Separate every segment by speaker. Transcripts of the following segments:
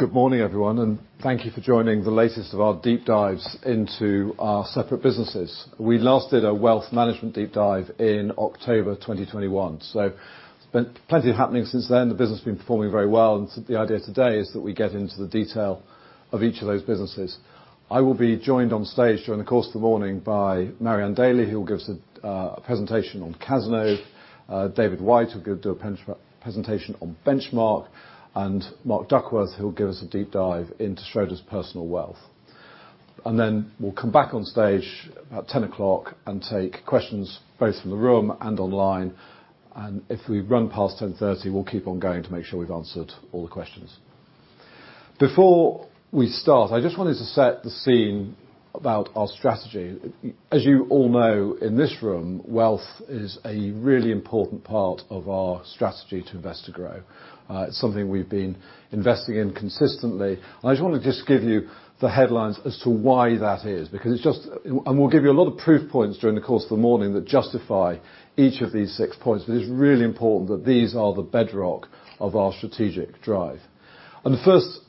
Speaker 1: Good morning, everyone, thank you for joining the latest of our deep dives into our separate businesses. We last did a wealth management deep dive in October 2021, it's been plenty happening since then. The business has been performing very well, the idea today is that we get into the detail of each of those businesses. I will be joined on stage during the course of the morning by Mary-Anne Daly, who will give us a presentation on Cazenove, David White, who will do a presentation on Benchmark, and Mark Duckworth, who will give us a deep dive into Schroders Personal Wealth. We'll come back on stage at 10:00 A.M. and take questions both from the room and online, and if we run past 10:30 A.M., we'll keep on going to make sure we've answered all the questions. Before we start, I just wanted to set the scene about our strategy. As you all know, in this room, wealth is a really important part of our strategy to invest, to grow. It's something we've been investing in consistently. I just want to give you the headlines as to why that is, and we'll give you a lot of proof points during the course of the morning that justify each of these six points. It's really important that these are the bedrock of our strategic drive. The first,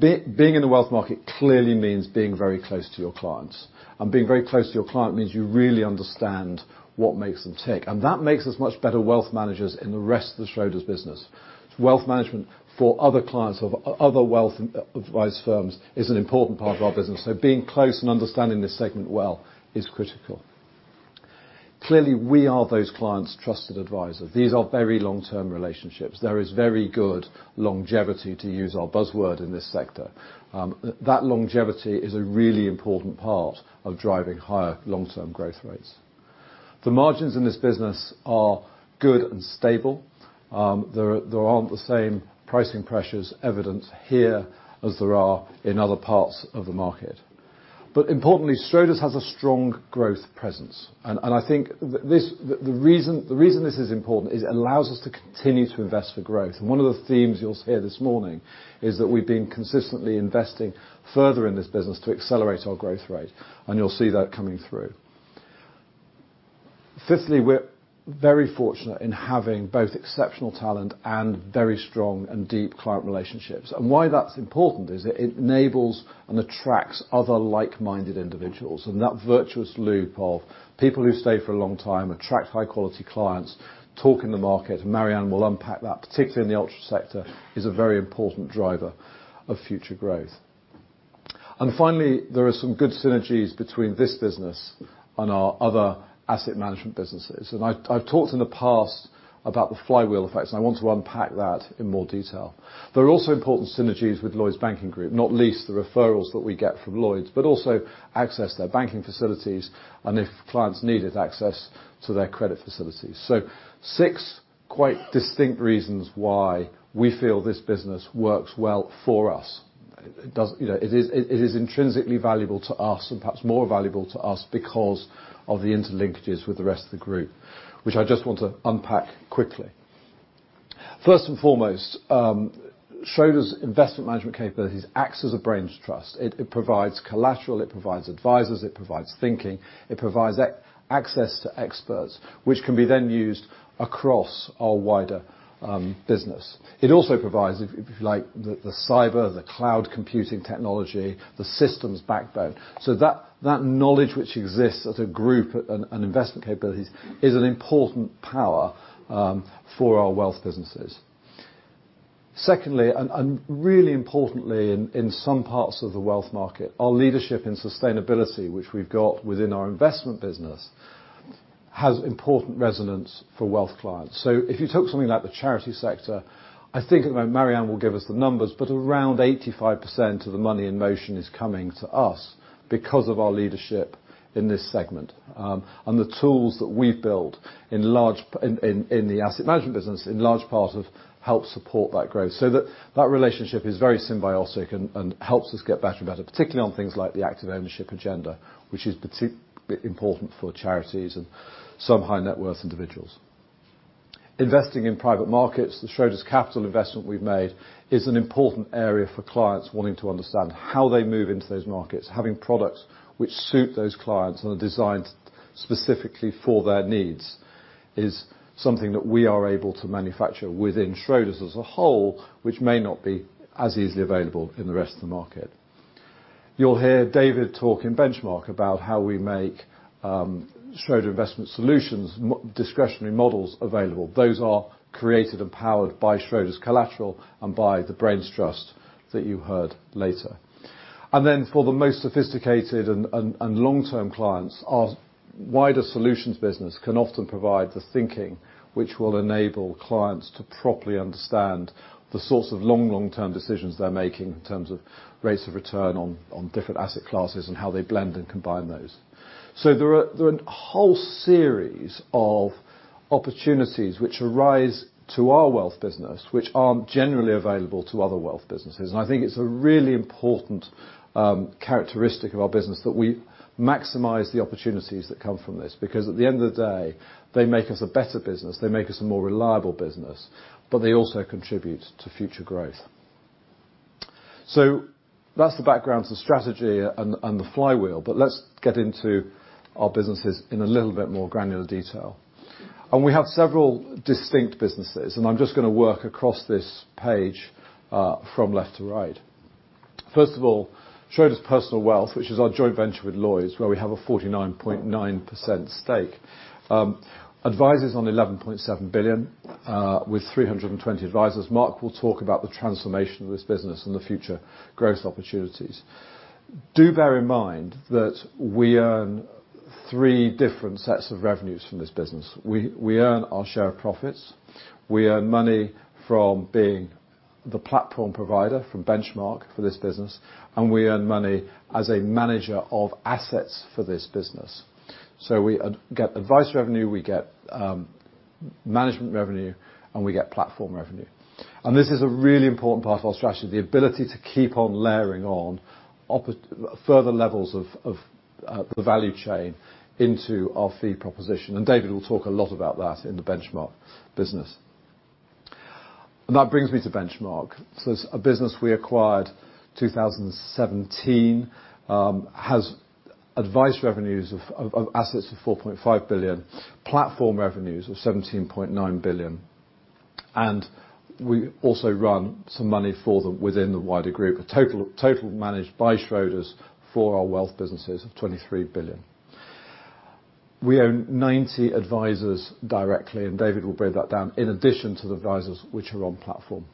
Speaker 1: being in a wealth market clearly means being very close to your clients, and being very close to your client means you really understand what makes them tick, and that makes us much better wealth managers in the rest of the Schroders' business. Wealth management for other clients of other wealth advice firms is an important part of our business. Being close and understanding this segment well is critical. Clearly, we are those clients' trusted advisor. These are very long-term relationships. There is very good longevity, to use our buzzword in this sector. That longevity is a really important part of driving higher long-term growth rates. The margins in this business are good and stable. There aren't the same pricing pressures evident here as there are in other parts of the market. Importantly, Schroders has a strong growth presence, and I think this, the reason this is important is it allows us to continue to invest for growth. One of the themes you'll hear this morning is that we've been consistently investing further in this business to accelerate our growth rate, and you'll see that coming through. Fifthly, we're very fortunate in having both exceptional talent and very strong and deep client relationships. Why that's important is it enables and attracts other like-minded individuals, and that virtuous loop of people who stay for a long time, attract high quality clients, talk in the market, Mary-Anne will unpack that, particularly in the ultra sector, is a very important driver of future growth. Finally, there are some good synergies between this business and our other asset management businesses. I've talked in the past about the flywheel effects, and I want to unpack that in more detail. There are also important synergies with Lloyds Banking Group, not least the referrals that we get from Lloyds, but also access to their banking facilities and if clients needed access to their credit facilities. Six quite distinct reasons why we feel this business works well for us. You know, it is intrinsically valuable to us, and perhaps more valuable to us because of the interlinkages with the rest of the group, which I just want to unpack quickly. First and foremost, Schroders' investment management capabilities acts as a brains trust. It provides collateral, it provides advisors, it provides thinking, it provides access to experts, which can be then used across our wider business. It also provides, if you like, the cyber, the cloud computing technology, the systems backbone. That knowledge which exists as a group and investment capabilities, is an important power for our wealth businesses. Secondly, and really importantly in some parts of the wealth market, our leadership in sustainability, which we've got within our investment business, has important resonance for wealth clients. If you took something like the charity sector, I think Mary-Anne will give us the numbers, but around 85% of the money in motion is coming to us because of our leadership in this segment. The tools that we've built in the asset management business, in large part, have helped support that growth. That relationship is very symbiotic and helps us get better and better, particularly on things like the active ownership agenda, which is particularly important for charities and some high net worth individuals. Investing in private markets, the Schroders Capital investment we've made, is an important area for clients wanting to understand how they move into those markets. Having products which suit those clients and are designed specifically for their needs is something that we are able to manufacture within Schroders as a whole, which may not be as easily available in the rest of the market. You'll hear David talk in Benchmark about how we make Schroder Investment Solutions discretionary models available. Those are created and powered by Schroders' collateral and by the brains trust that you heard later. For the most sophisticated and long-term clients, our wider solutions business can often provide the thinking which will enable clients to properly understand the source of long-term decisions they're making in terms of rates of return on different asset classes and how they blend and combine those. There are a whole series of opportunities which arise to our wealth business, which aren't generally available to other wealth businesses. I think it's a really important characteristic of our business, that we maximize the opportunities that come from this, because at the end of the day, they make us a better business, they make us a more reliable business, but they also contribute to future growth. That's the background to the strategy and the flywheel, but let's get into our businesses in a little bit more granular detail. We have several distinct businesses, and I'm just gonna work across this page from left to right. First of all, Schroders Personal Wealth, which is our joint venture with Lloyds, where we have a 49.9% stake. Advisors on 11.7 billion, with 320 advisors. Mark will talk about the transformation of this business and the future growth opportunities. Do bear in mind that we earn three different sets of revenues from this business. We earn our share of profits, we earn money from being the platform provider from Benchmark for this business, and we earn money as a manager of assets for this business. We get advice revenue, we get management revenue, and we get platform revenue. This is a really important part of our strategy, the ability to keep on layering on further levels of the value chain into our fee proposition, and David will talk a lot about that in the Benchmark business. That brings me to Benchmark. It's a business we acquired in 2017, has advice revenues of assets of 4.5 billion, platform revenues of 17.9 billion, and we also run some money for them within the wider group, a total managed by Schroders for our wealth businesses of 23 billion. We own 90 advisors directly, and David will break that down, in addition to the advisors which are on platform.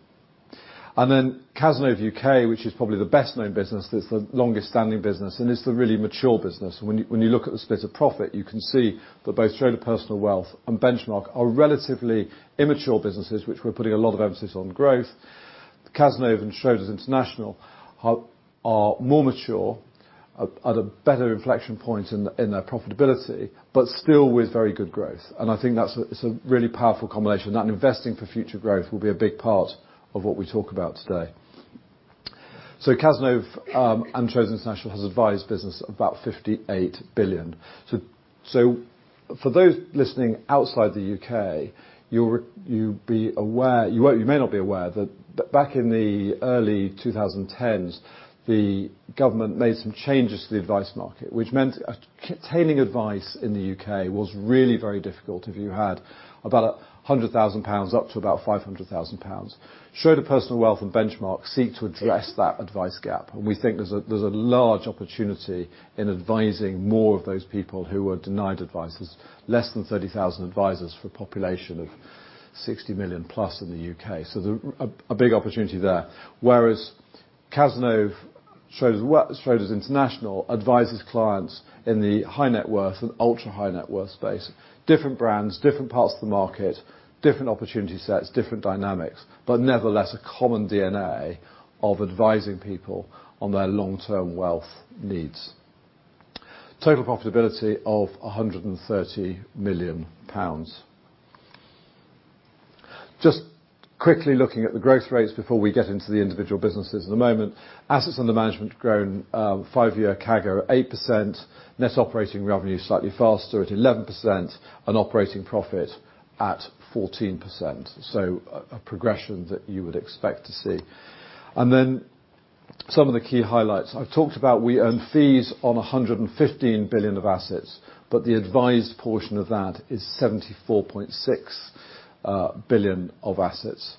Speaker 1: Cazenove UK, which is probably the best-known business, it's the longest-standing business, and it's the really mature business. When you look at the split of profit, you can see that both Schroders Personal Wealth and Benchmark are relatively immature businesses, which we're putting a lot of emphasis on growth. Cazenove and Schroders International are more mature, at a better inflection point in their profitability, but still with very good growth. I think that's a really powerful combination, and that investing for future growth will be a big part of what we talk about today. Cazenove, and Schroders International has advised business about 58 billion. For those listening outside the U.K., you may not be aware that back in the early 2010s, the government made some changes to the advice market, which meant obtaining advice in the U.K. was really very difficult if you had about 100,000 pounds up to about 500,000 pounds. Schroders Personal Wealth and Benchmark seek to address that advice gap, and we think there's a large opportunity in advising more of those people who were denied advice. There's less than 30,000 advisors for a population of 60 million+ in the U.K. There's a big opportunity there. Whereas Cazenove, Schroders Wealth Management advises clients in the high net worth and ultra high net worth space. Different brands, different parts of the market, different opportunity sets, different dynamics, nevertheless, a common DNA of advising people on their long-term wealth needs. Total profitability of GBP 130 million. Just quickly looking at the growth rates before we get into the individual businesses in a moment. Assets under management have grown, five year CAGR, 8%, net operating revenue slightly faster at 11%, and operating profit at 14%. A progression that you would expect to see. Some of the key highlights. I've talked about we earn fees on 115 billion of assets, but the advised portion of that is 74.6 billion of assets.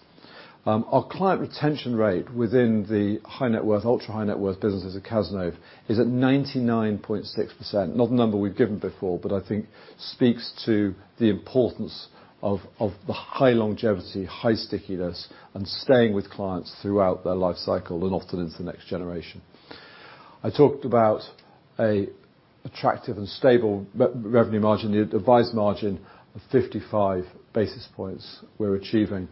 Speaker 1: Our client retention rate within the high net worth, ultra high net worth businesses at Cazenove is at 99.6%. Not a number we've given before, but I think speaks to the importance of the high longevity, high stickiness, and staying with clients throughout their life cycle and often into the next generation. I talked about an attractive and stable revenue margin, the advised margin of 55 basis points we're achieving.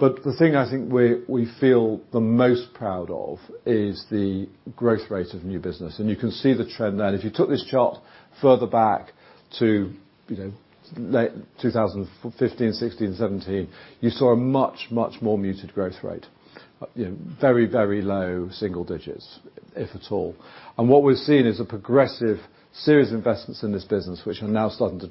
Speaker 1: The thing I think we feel the most proud of is the growth rate of new business, and you can see the trend there. If you took this chart further back to, you know, late 2015, 2016, and 2017, you saw a much more muted growth rate. You know, very low single digits, if at all. What we're seeing is a progressive series of investments in this business, which are now starting to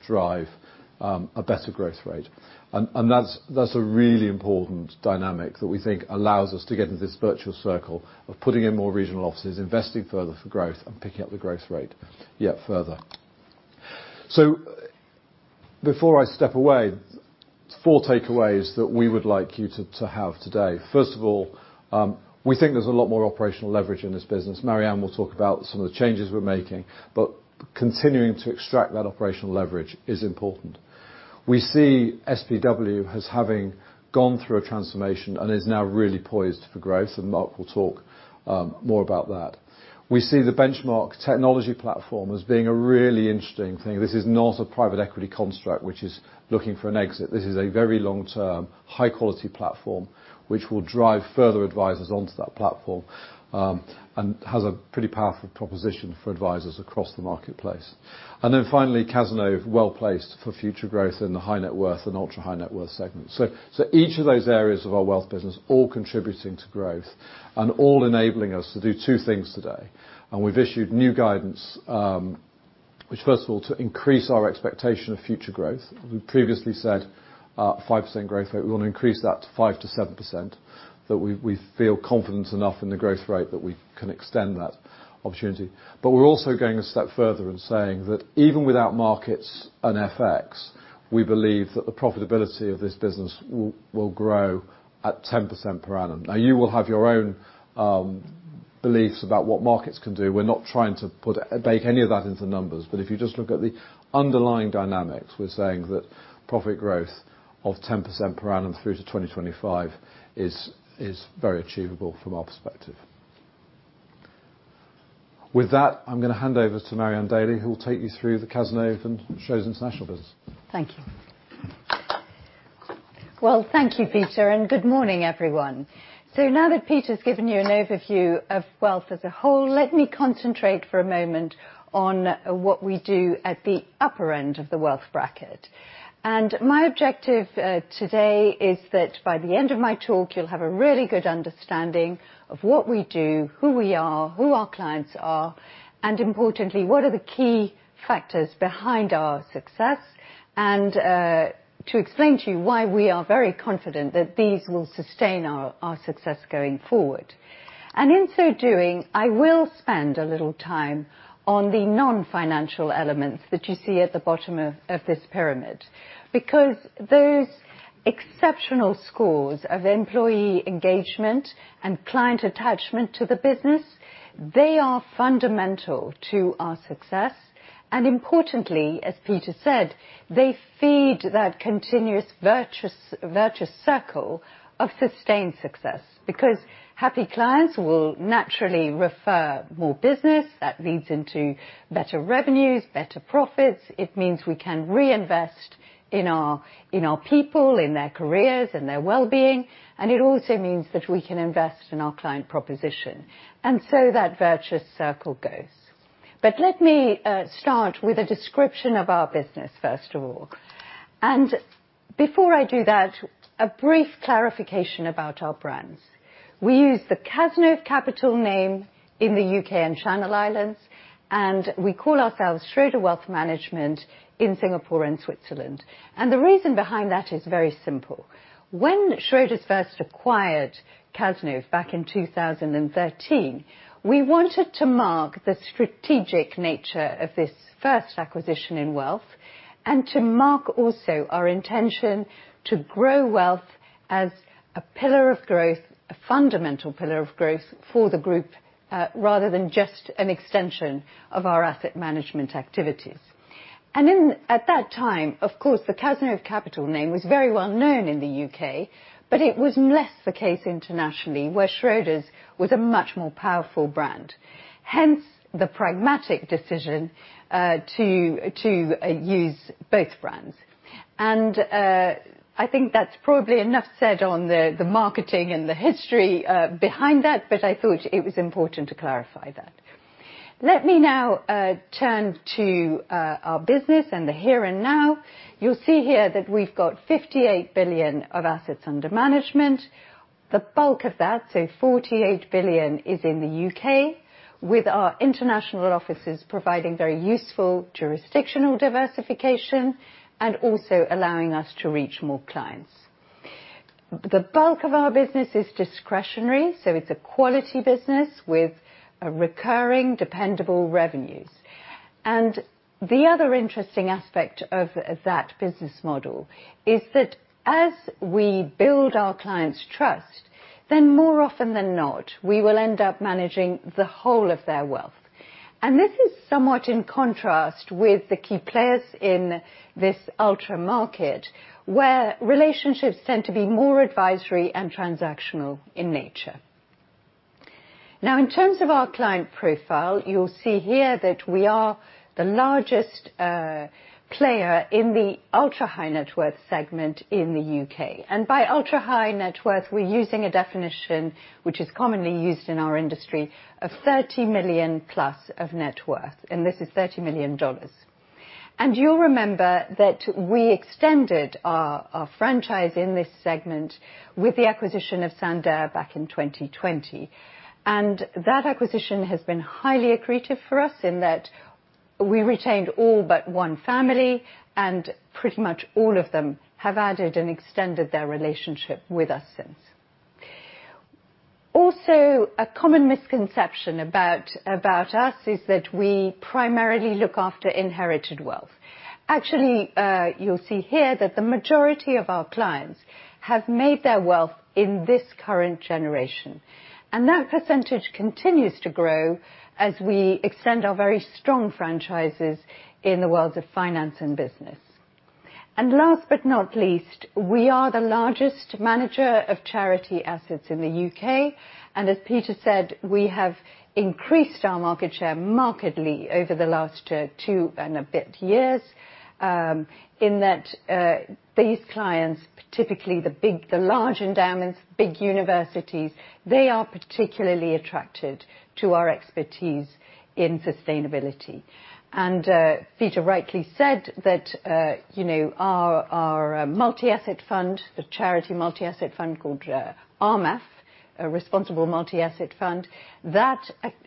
Speaker 1: drive a better growth rate. That's a really important dynamic that we think allows us to get into this virtual circle of putting in more regional offices, investing further for growth, and picking up the growth rate yet further. Before I step away, four takeaways that we would like you to have today. First of all, we think there's a lot more operational leverage in this business. Mary-Anne will talk about some of the changes we're making, but continuing to extract that operational leverage is important. We see SPW as having gone through a transformation and is now really poised for growth, and Mark will talk more about that. We see the Benchmark technology platform as being a really interesting thing. This is not a private equity construct, which is looking for an exit. This is a very long-term, high-quality platform, which will drive further advisors onto that platform, and has a pretty powerful proposition for advisors across the marketplace. Finally, Cazenove, well-placed for future growth in the high net worth and ultra high net worth segment. Each of those areas of our wealth business all contributing to growth and all enabling us to do two things today. We've issued new guidance, which first of all, to increase our expectation of future growth. We previously said, a 5% growth rate, we want to increase that to 5% to 7%, that we feel confident enough in the growth rate that we can extend that opportunity. We're also going a step further in saying that even without markets and FX, we believe that the profitability of this business will grow at 10% per annum. You will have your own beliefs about what markets can do. We're not trying to put, bake any of that into numbers, if you just look at the underlying dynamics, we're saying that profit growth of 10% per annum through to 2025 is very achievable from our perspective. With that, I'm gonna hand over to Mary-Anne Daly, who will take you through the Cazenove and Schroders International business.
Speaker 2: Thank you. Well, thank you, Peter, and good morning, everyone. Now that Peter's given you an overview of wealth as a whole, let me concentrate for a moment on what we do at the upper end of the wealth bracket. My objective today is that by the end of my talk, you'll have a really good understanding of what we do, who we are, who our clients are, and importantly, what are the key factors behind our success, and to explain to you why we are very confident that these will sustain our success going forward. In so doing, I will spend a little time on the non-financial elements that you see at the bottom of this pyramid, because those exceptional scores of employee engagement and client attachment to the business, they are fundamental to our success. Importantly, as Peter said, they feed that continuous virtuous circle of sustained success, because happy clients will naturally refer more business that leads into better revenues, better profits. It means we can reinvest in our people, in their careers and their well-being, and it also means that we can invest in our client proposition. That virtuous circle goes. Let me start with a description of our business, first of all. Before I do that, a brief clarification about our brands. We use the Cazenove Capital name in the U.K. and Channel Islands, and we call ourselves Schroders Wealth Management in Singapore and Switzerland. The reason behind that is very simple. When Schroders first acquired Cazenove back in 2013, we wanted to mark the strategic nature of this first acquisition in wealth, and to mark also our intention to grow wealth as a pillar of growth, a fundamental pillar of growth for the group, rather than just an extension of our asset management activities. At that time, of course, the Cazenove Capital name was very well known in the U.K., but it was less the case internationally, where Schroders was a much more powerful brand. Hence, the pragmatic decision to use both brands. I think that's probably enough said on the marketing and the history behind that, but I thought it was important to clarify that. Let me now turn to our business and the here and now. You'll see here that we've got 58 billion of assets under management. The bulk of that, so 48 billion, is in the U.K., with our international offices providing very useful jurisdictional diversification and also allowing us to reach more clients. The bulk of our business is discretionary, so it's a quality business with a recurring, dependable revenues. The other interesting aspect of that business model is that as we build our clients' trust, then more often than not, we will end up managing the whole of their wealth. This is somewhat in contrast with the key players in this ultra market, where relationships tend to be more advisory and transactional in nature. In terms of our client profile, you'll see here that we are the largest player in the ultra-high net worth segment in the U.K. By ultra-high net worth, we're using a definition which is commonly used in our industry, of 30 million plus of net worth, and this is $30 million. You'll remember that we extended our franchise in this segment with the acquisition of Sandaire back in 2020. That acquisition has been highly accretive for us in that we retained all but one family, and pretty much all of them have added and extended their relationship with us since. A common misconception about us is that we primarily look after inherited wealth. Actually, you'll see here that the majority of our clients have made their wealth in this current generation, and that percentage continues to grow as we extend our very strong franchises in the worlds of finance and business. Last but not least, we are the largest manager of charity assets in the U.K., and as Peter said, we have increased our market share markedly over the last two and a bit years, in that these clients, typically the large endowments, big universities, they are particularly attracted to our expertise in sustainability. Peter rightly said that, you know, our multi-asset fund, the charity multi-asset fund called a Responsible Multi-Asset Fund. That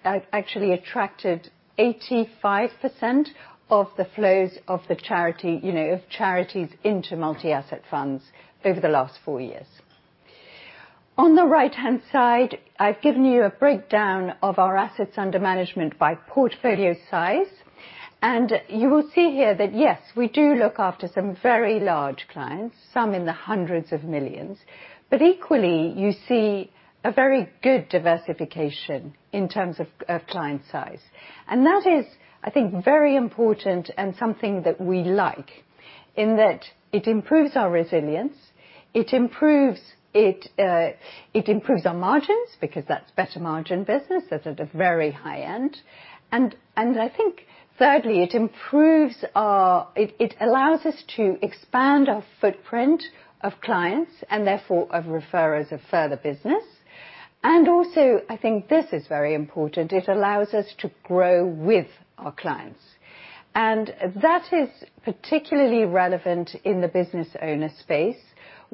Speaker 2: actually attracted 85% of the flows of charities into multi-asset funds over the last four years. On the right-hand side, I've given you a breakdown of our assets under management by portfolio size, and you will see here that, yes, we do look after some very large clients, some in the hundreds of millions. Equally, you see a very good diversification in terms of client size. That is, I think, very important and something that we like, in that it improves our resilience, it improves it improves our margins, because that's better margin business, that's at a very high end. I think thirdly, it allows us to expand our footprint of clients and therefore of referrers of further business. Also, I think this is very important, it allows us to grow with our clients. That is particularly relevant in the business owner space,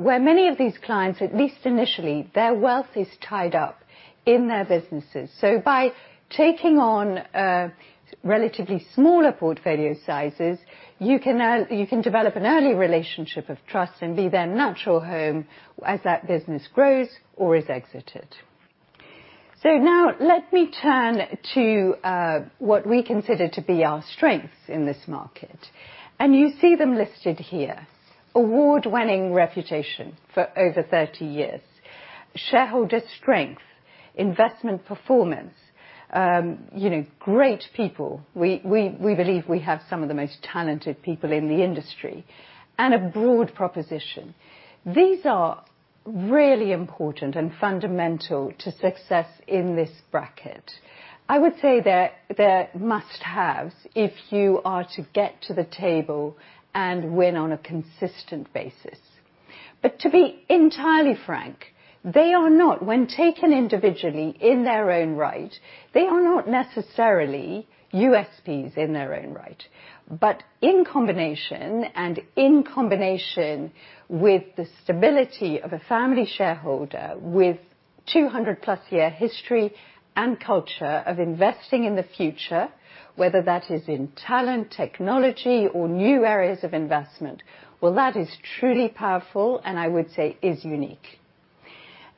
Speaker 2: where many of these clients, at least initially, their wealth is tied up in their businesses. By taking on, relatively smaller portfolio sizes, you can develop an early relationship of trust and be their natural home as that business grows or is exited. Now let me turn to what we consider to be our strengths in this market, and you see them listed here. Award-winning reputation for over 30 years, shareholder strength, investment performance, you know, great people. We believe we have some of the most talented people in the industry, and a broad proposition. These are really important and fundamental to success in this bracket. I would say they're must-haves if you are to get to the table and win on a consistent basis. To be entirely frank, they are not, when taken individually in their own right, they are not necessarily USPs in their own right. In combination, and in combination with the stability of a family shareholder with 200 plus year history and culture of investing in the future, whether that is in Talent, Technology, or new areas of Investment, well, that is truly powerful, and I would say is unique.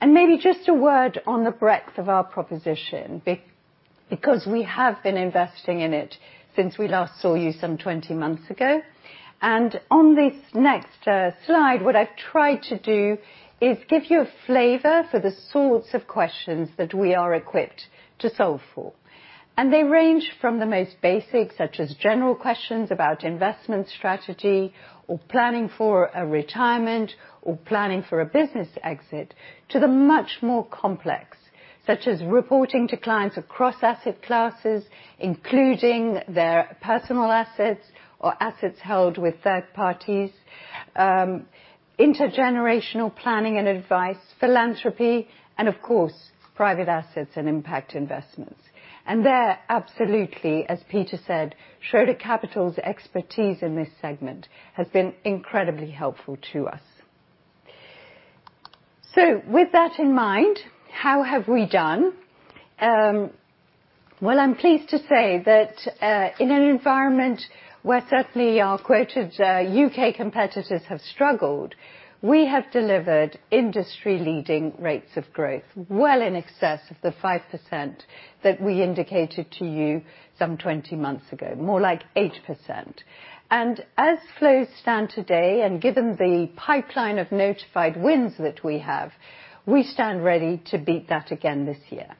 Speaker 2: Maybe just a word on the breadth of our proposition, because we have been investing in it since we last saw you some 20 months ago. On this next slide, what I've tried to do is give you a flavor for the sorts of questions that we are equipped to solve for. They range from the most basic, such as general questions about investment strategy or planning for a retirement or planning for a business exit, to the much more complex, such as reporting to clients across asset classes, including their personal assets or assets held with third parties, intergenerational planning and advice, philanthropy, and of course, private assets and impact investments. There, absolutely, as Peter said, Schroder Capital's expertise in this segment has been incredibly helpful to us. With that in mind, how have we done? Well, I'm pleased to say that in an environment where certainly our quoted, U.K. competitors have struggled, we have delivered industry-leading rates of growth, well in excess of the 5% that we indicated to you some 20 months ago, more like 8%. As flows stand today, and given the pipeline of notified wins that we have, we stand ready to beat that again this year.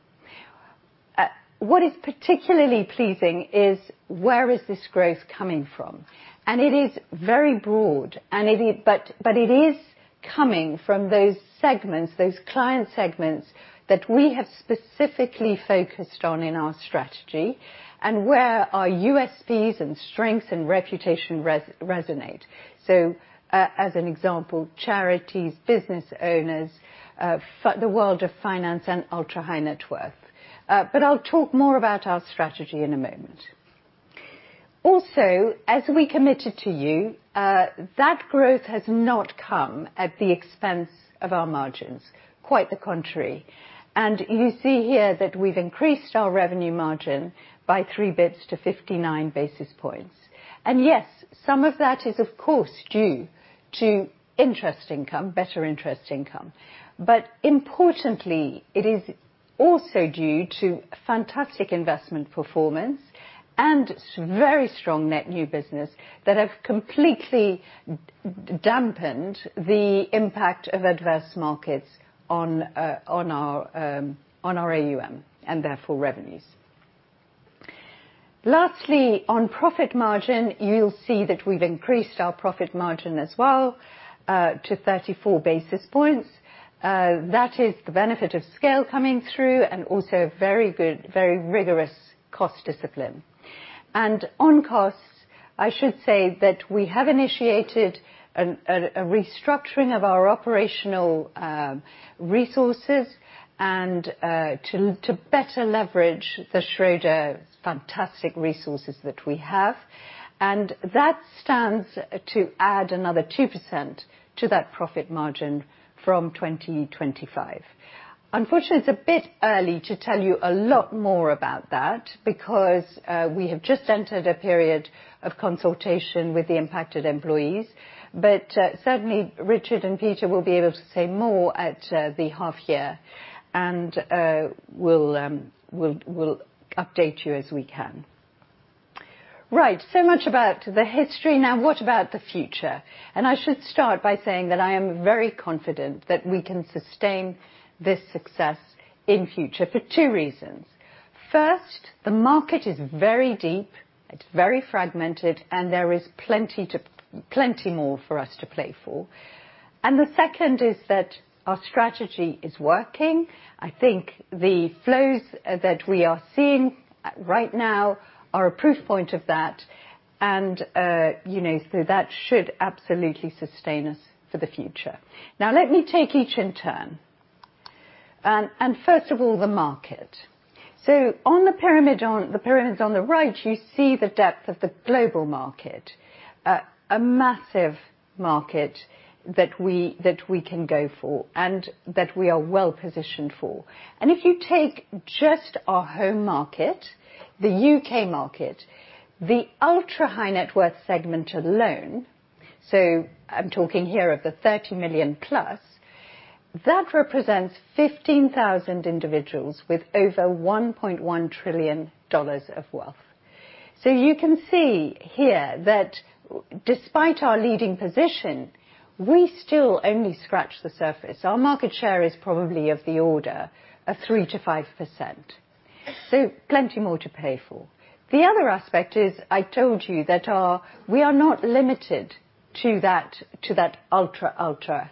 Speaker 2: What is particularly pleasing is where is this growth coming from? It is very broad, but it is coming from those segments, those client segments, that we have specifically focused on in our strategy and where our USPs and strengths and reputation resonate. As an example, charities, business owners, the world of finance and ultra-high net worth. I'll talk more about our strategy in a moment. Also, as we committed to you, that growth has not come at the expense of our margins. Quite the contrary. You see here that we've increased our revenue margin by 3 bits to 59 basis points. Yes, some of that is, of course, due to interest income, better interest income. Importantly, it is also due to fantastic investment performance and very strong net new business that have completely dampened the impact of adverse markets on our AUM and therefore, revenues. Lastly, on profit margin, you'll see that we've increased our profit margin as well, to 34 basis points. That is the benefit of scale coming through and also very good, very rigorous cost discipline. On costs, I should say that we have initiated a restructuring of our operational resources and to better leverage the Schroders fantastic resources that we have. That stands to add another 2% to that profit margin from 2025. Unfortunately, it's a bit early to tell you a lot more about that, because we have just entered a period of consultation with the impacted employees. Certainly, Richard and Peter will be able to say more at the half year, and we'll update you as we can. Right, so much about the history, now, what about the future? I should start by saying that I am very confident that we can sustain this success in future for two reasons. First, the market is very deep, it's very fragmented, and there is plenty more for us to play for. The second is that our strategy is working. I think the flows that we are seeing right now are a proof point of that, and, you know, so that should absolutely sustain us for the future. Let me take each in turn. First of all, the market. On the pyramids on the right, you see the depth of the global market, a massive market that we can go for and that we are well positioned for. If you take just our home market, the U.K. market, the ultra-high-net-worth segment alone, so I'm talking here of the $30 million plus, that represents 15,000 individuals with over $1.1 trillion of wealth. You can see here that despite our leading position, we still only scratch the surface. Our market share is probably of the order of 3% to 5%, plenty more to play for. The other aspect is, I told you, that we are not limited to that ultra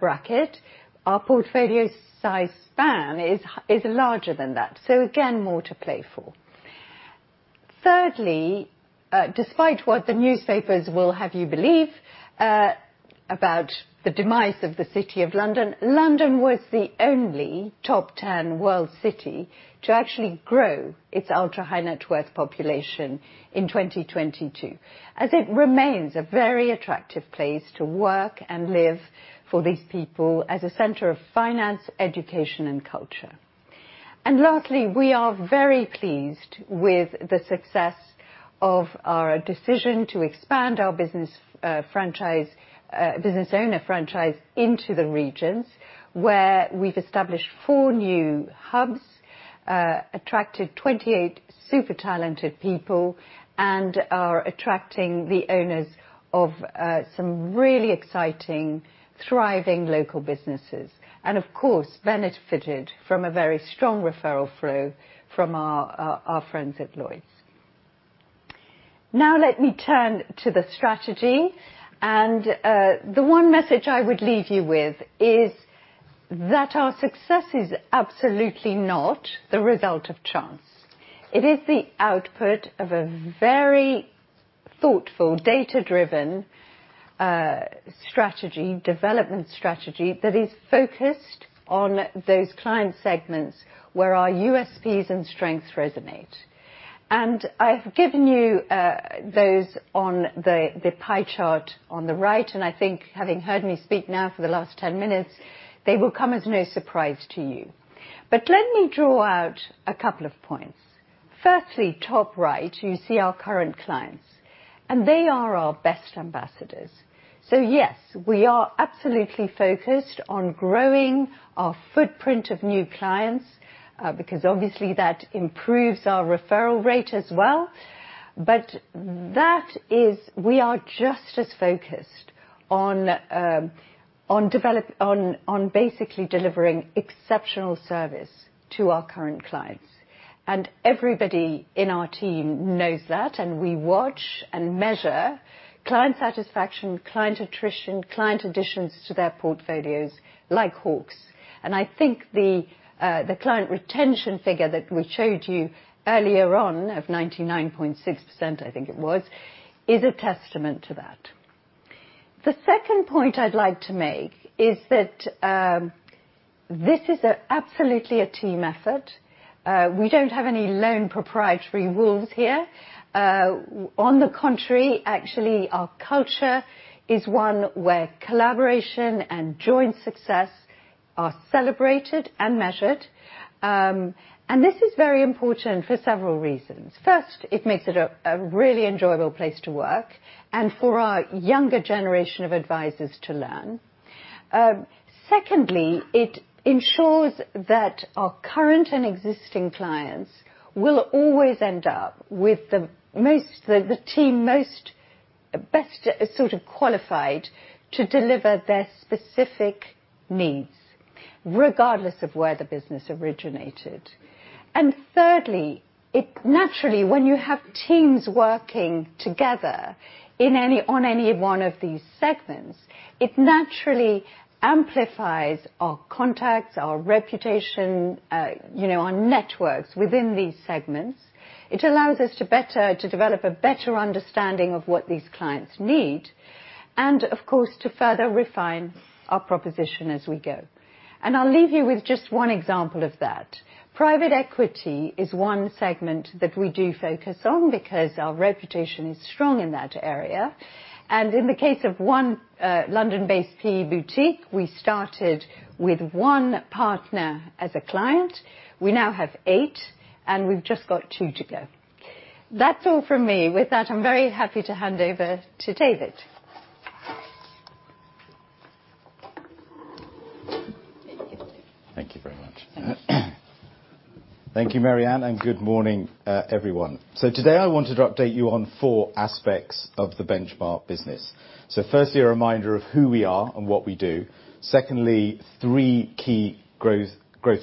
Speaker 2: bracket. Our portfolio size span is larger than that. Again, more to play for. Thirdly, despite what the newspapers will have you believe about the demise of the City of London was the only 10 world city to actually grow its ultra-high-net-worth population in 2022, as it remains a very attractive place to work and live for these people as a center of finance, education, and culture. Lastly, we are very pleased with the success of our decision to expand our business franchise, business owner franchise into the regions, where we've established four new hubs, attracted 28 super talented people, and are attracting the owners of some really exciting, thriving local businesses, and of course, benefited from a very strong referral flow from our friends at Lloyds. Now let me turn to the strategy, the one message I would leave you with is that our success is absolutely not the result of chance. It is the output of a very thoughtful, data-driven, strategy, development strategy, that is focused on those client segments where our USPs and strengths resonate. I've given you those on the pie chart on the right, I think having heard me speak now for the last 10 minutes, they will come as no surprise to you. Let me draw out a couple of points. Firstly, top right, you see our current clients, they are our best ambassadors. Yes, we are absolutely focused on growing our footprint of new clients, because obviously, that improves our referral rate as well. We are just as focused on basically delivering exceptional service to our current clients. Everybody in our team knows that, and we watch and measure client satisfaction, client attrition, client additions to their portfolios, like hawks. I think the client retention figure that we showed you earlier on, of 99.6%, I think it was, is a testament to that. The second point I'd like to make is that this is absolutely a team effort. We don't have any lone proprietary wolves here. On the contrary, actually, our culture is one where collaboration and joint success are celebrated and measured. This is very important for several reasons. First, it makes it a really enjoyable place to work and for our younger generation of advisors to learn. Secondly, it ensures that our current and existing clients will always end up with the team most, best, sort of qualified to deliver their specific needs, regardless of where the business originated. Thirdly, it naturally, when you have teams working together on any one of these segments, it naturally amplifies our contacts, our reputation, you know, our networks within these segments. It allows us to develop a better understanding of what these clients need, and of course, to further refine our proposition as we go. I'll leave you with just one example of that. Private equity is one segment that we do focus on because our reputation is strong in that area. In the case of one London-based PE boutique, we started with one partner as a client. We now have eight, and we've just got two to go. That's all from me. With that, I'm very happy to hand over to David.
Speaker 3: Thank you very much. Thank you, Mary-Anne, and good morning, everyone. Today I wanted to update you on four aspects of the Benchmark business. Firstly, a reminder of who we are and what we do. Secondly, three key growth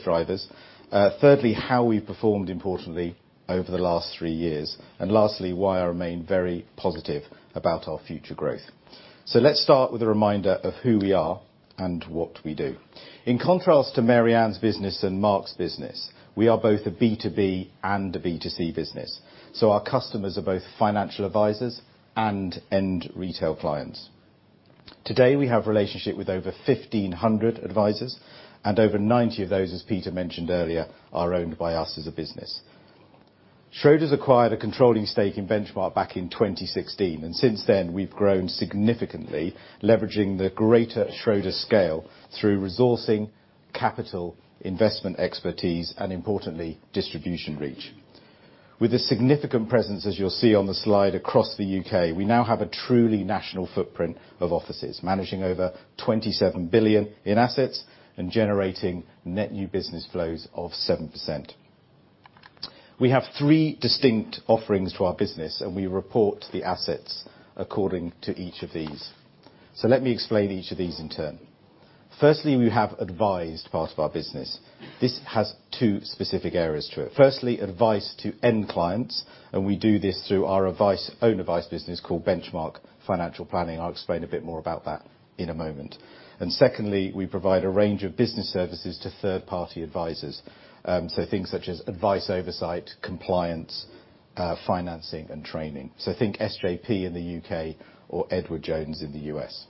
Speaker 3: drivers. Thirdly, how we've performed importantly over the last three years, and lastly, why I remain very positive about our future growth. Let's start with a reminder of who we are and what we do. In contrast to Mary-Anne's business and Mark's business, we are both a B2B and a B2C business, so our customers are both financial advisors and end retail clients. Today, we have relationship with over 1,500 advisors, and over 90 of those, as Peter mentioned earlier, are owned by us as a business. Schroders acquired a controlling stake in Benchmark back in 2016. Since then, we've grown significantly, leveraging the greater Schroders scale through resourcing, capital, investment expertise, and importantly, distribution reach. With a significant presence, as you'll see on the slide, across the U.K., we now have a truly national footprint of offices, managing over 27 billion in assets and generating net new business flows of 7%. We have three distinct offerings to our business, and we report the assets according to each of these. Let me explain each of these in turn. Firstly, we have advised part of our business. This has two specific areas to it. Firstly, advice to end clients, and we do this through our advice, own advice business called Benchmark Financial Planning. I'll explain a bit more about that in a moment. Secondly, we provide a range of business services to third-party advisors. Things such as Advice oversight, Compliance, Financing, and Training. Think SJP in the U.K. or Edward Jones in the U.S.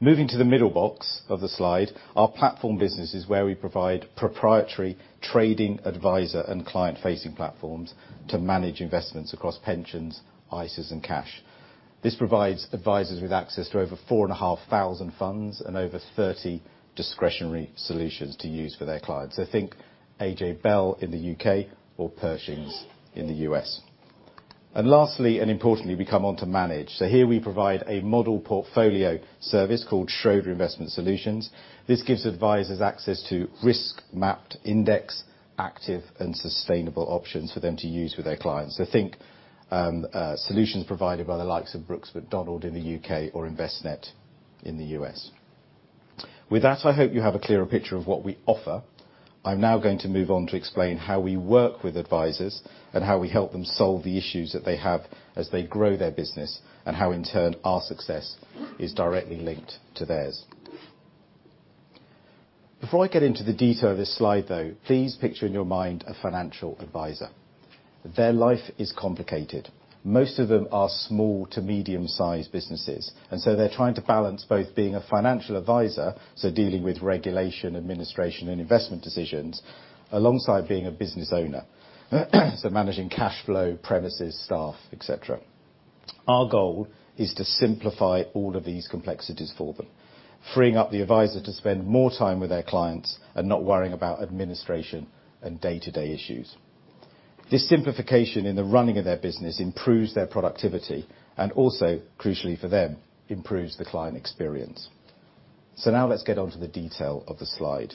Speaker 3: Moving to the middle box of the slide, our platform business is where we provide proprietary trading, advisor, and client-facing platforms to manage investments across pensions, ISAs, and cash. This provides advisors with access to over 4,500 funds and over 30 discretionary solutions to use for their clients. Think AJ Bell in the U.K. or Pershing in the U.S. Lastly, and importantly, we come on to manage. Here we provide a model portfolio service called Schroder Investment Solutions. This gives advisors access to risk-mapped, index, active, and sustainable options for them to use with their clients. Think solutions provided by the likes of Brooks Macdonald in the U.K. or Envestnet in the U.S. With that, I hope you have a clearer picture of what we offer. I'm now going to move on to explain how we work with advisors and how we help them solve the issues that they have as they grow their business, and how, in turn, our success is directly linked to theirs. Before I get into the detail of this slide, though, please picture in your mind a financial advisor. Their life is complicated. Most of them are small to medium-sized businesses, they're trying to balance both being a financial advisor, so dealing with regulation, administration, and investment decisions, alongside being a business owner, so managing cash flow, premises, staff, et cetera. Our goal is to simplify all of these complexities for them, freeing up the advisor to spend more time with their clients and not worrying about administration and day-to-day issues. This simplification in the running of their business improves their productivity and also, crucially for them, improves the client experience. Now let's get on to the detail of the slide.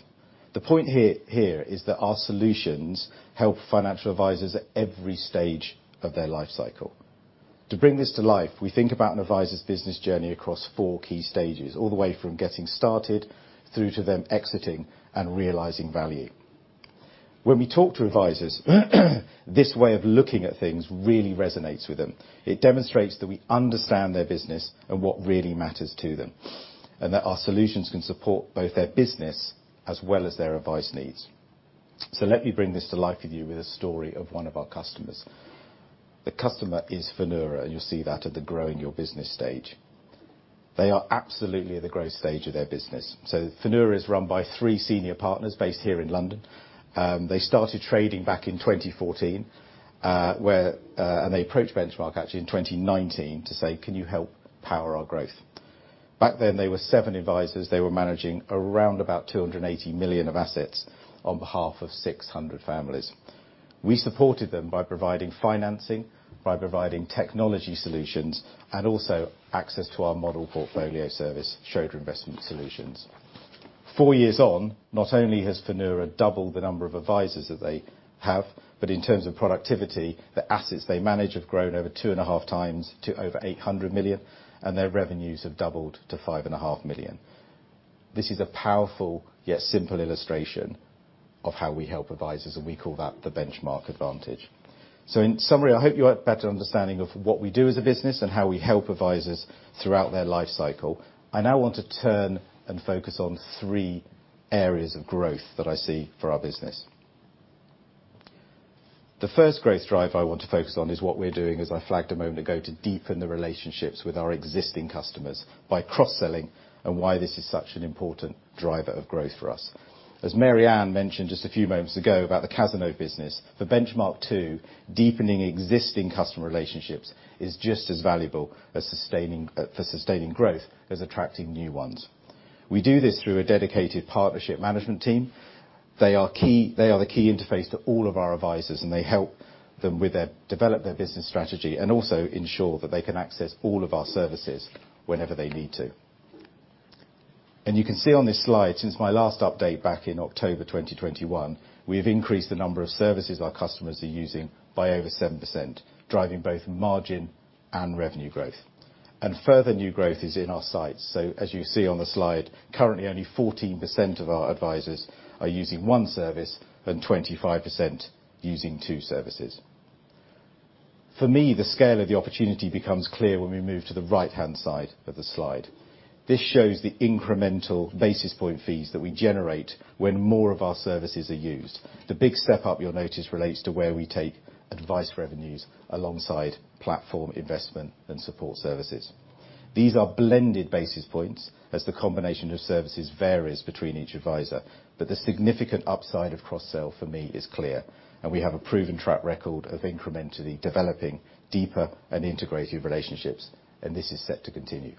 Speaker 3: The point here is that our solutions help financial advisors at every stage of their life cycle. To bring this to life, we think about an advisor's business journey across four key stages, all the way from getting started through to them exiting and realizing value. When we talk to advisors, this way of looking at things really resonates with them. It demonstrates that we understand their business and what really matters to them, and that our solutions can support both their business as well as their advice needs. Let me bring this to life with you with a story of one of our customers. The customer is Fenura, and you'll see that at the growing your business stage. They are absolutely at the growth stage of their business. Fenura is run by three senior partners based here in London. They started trading back in 2014. They approached Benchmark, actually, in 2019 to say: Can you help power our growth? Back then, they were seven advisors. They were managing around about 280 million of assets on behalf of 600 families. We supported them by providing financing, by providing technology solutions, and also access to our model portfolio service, Schroder Investment Solutions. Four years on, not only has Finura doubled the number of advisors that they have, but in terms of productivity, the assets they manage have grown over two and a half times to over 800 million, and their revenues have doubled to 5.5 million. This is a powerful, yet simple illustration of how we help advisors, and we call that the Benchmark advantage. In summary, I hope you have a better understanding of what we do as a business and how we help advisors throughout their life cycle. I now want to turn and focus on three areas of growth that I see for our business. The first growth drive I want to focus on is what we're doing, as I flagged a moment ago, to deepen the relationships with our existing customers by cross-selling and why this is such an important driver of growth for us. As Mary-Anne mentioned just a few moments ago about the Cazenove business, for Benchmark, too, deepening existing customer relationships is just as valuable as sustaining growth as attracting new ones. We do this through a dedicated partnership management team. They are the key interface to all of our advisors, and they help them develop their business strategy, and also ensure that they can access all of our services whenever they need to. You can see on this slide, since my last update back in October 2021, we have increased the number of services our customers are using by over 7%, driving both margin and revenue growth. Further new growth is in our sights. As you see on the slide, currently, only 14% of our advisors are using one service and 25% using two services. For me, the scale of the opportunity becomes clear when we move to the right-hand side of the slide. This shows the incremental basis point fees that we generate when more of our services are used. The big step up you'll notice relates to where we take advice revenues alongside platform investment and support services. These are blended basis points, as the combination of services varies between each advisor, but the significant upside of cross-sell for me is clear, and we have a proven track record of incrementally developing deeper and integrated relationships, and this is set to continue.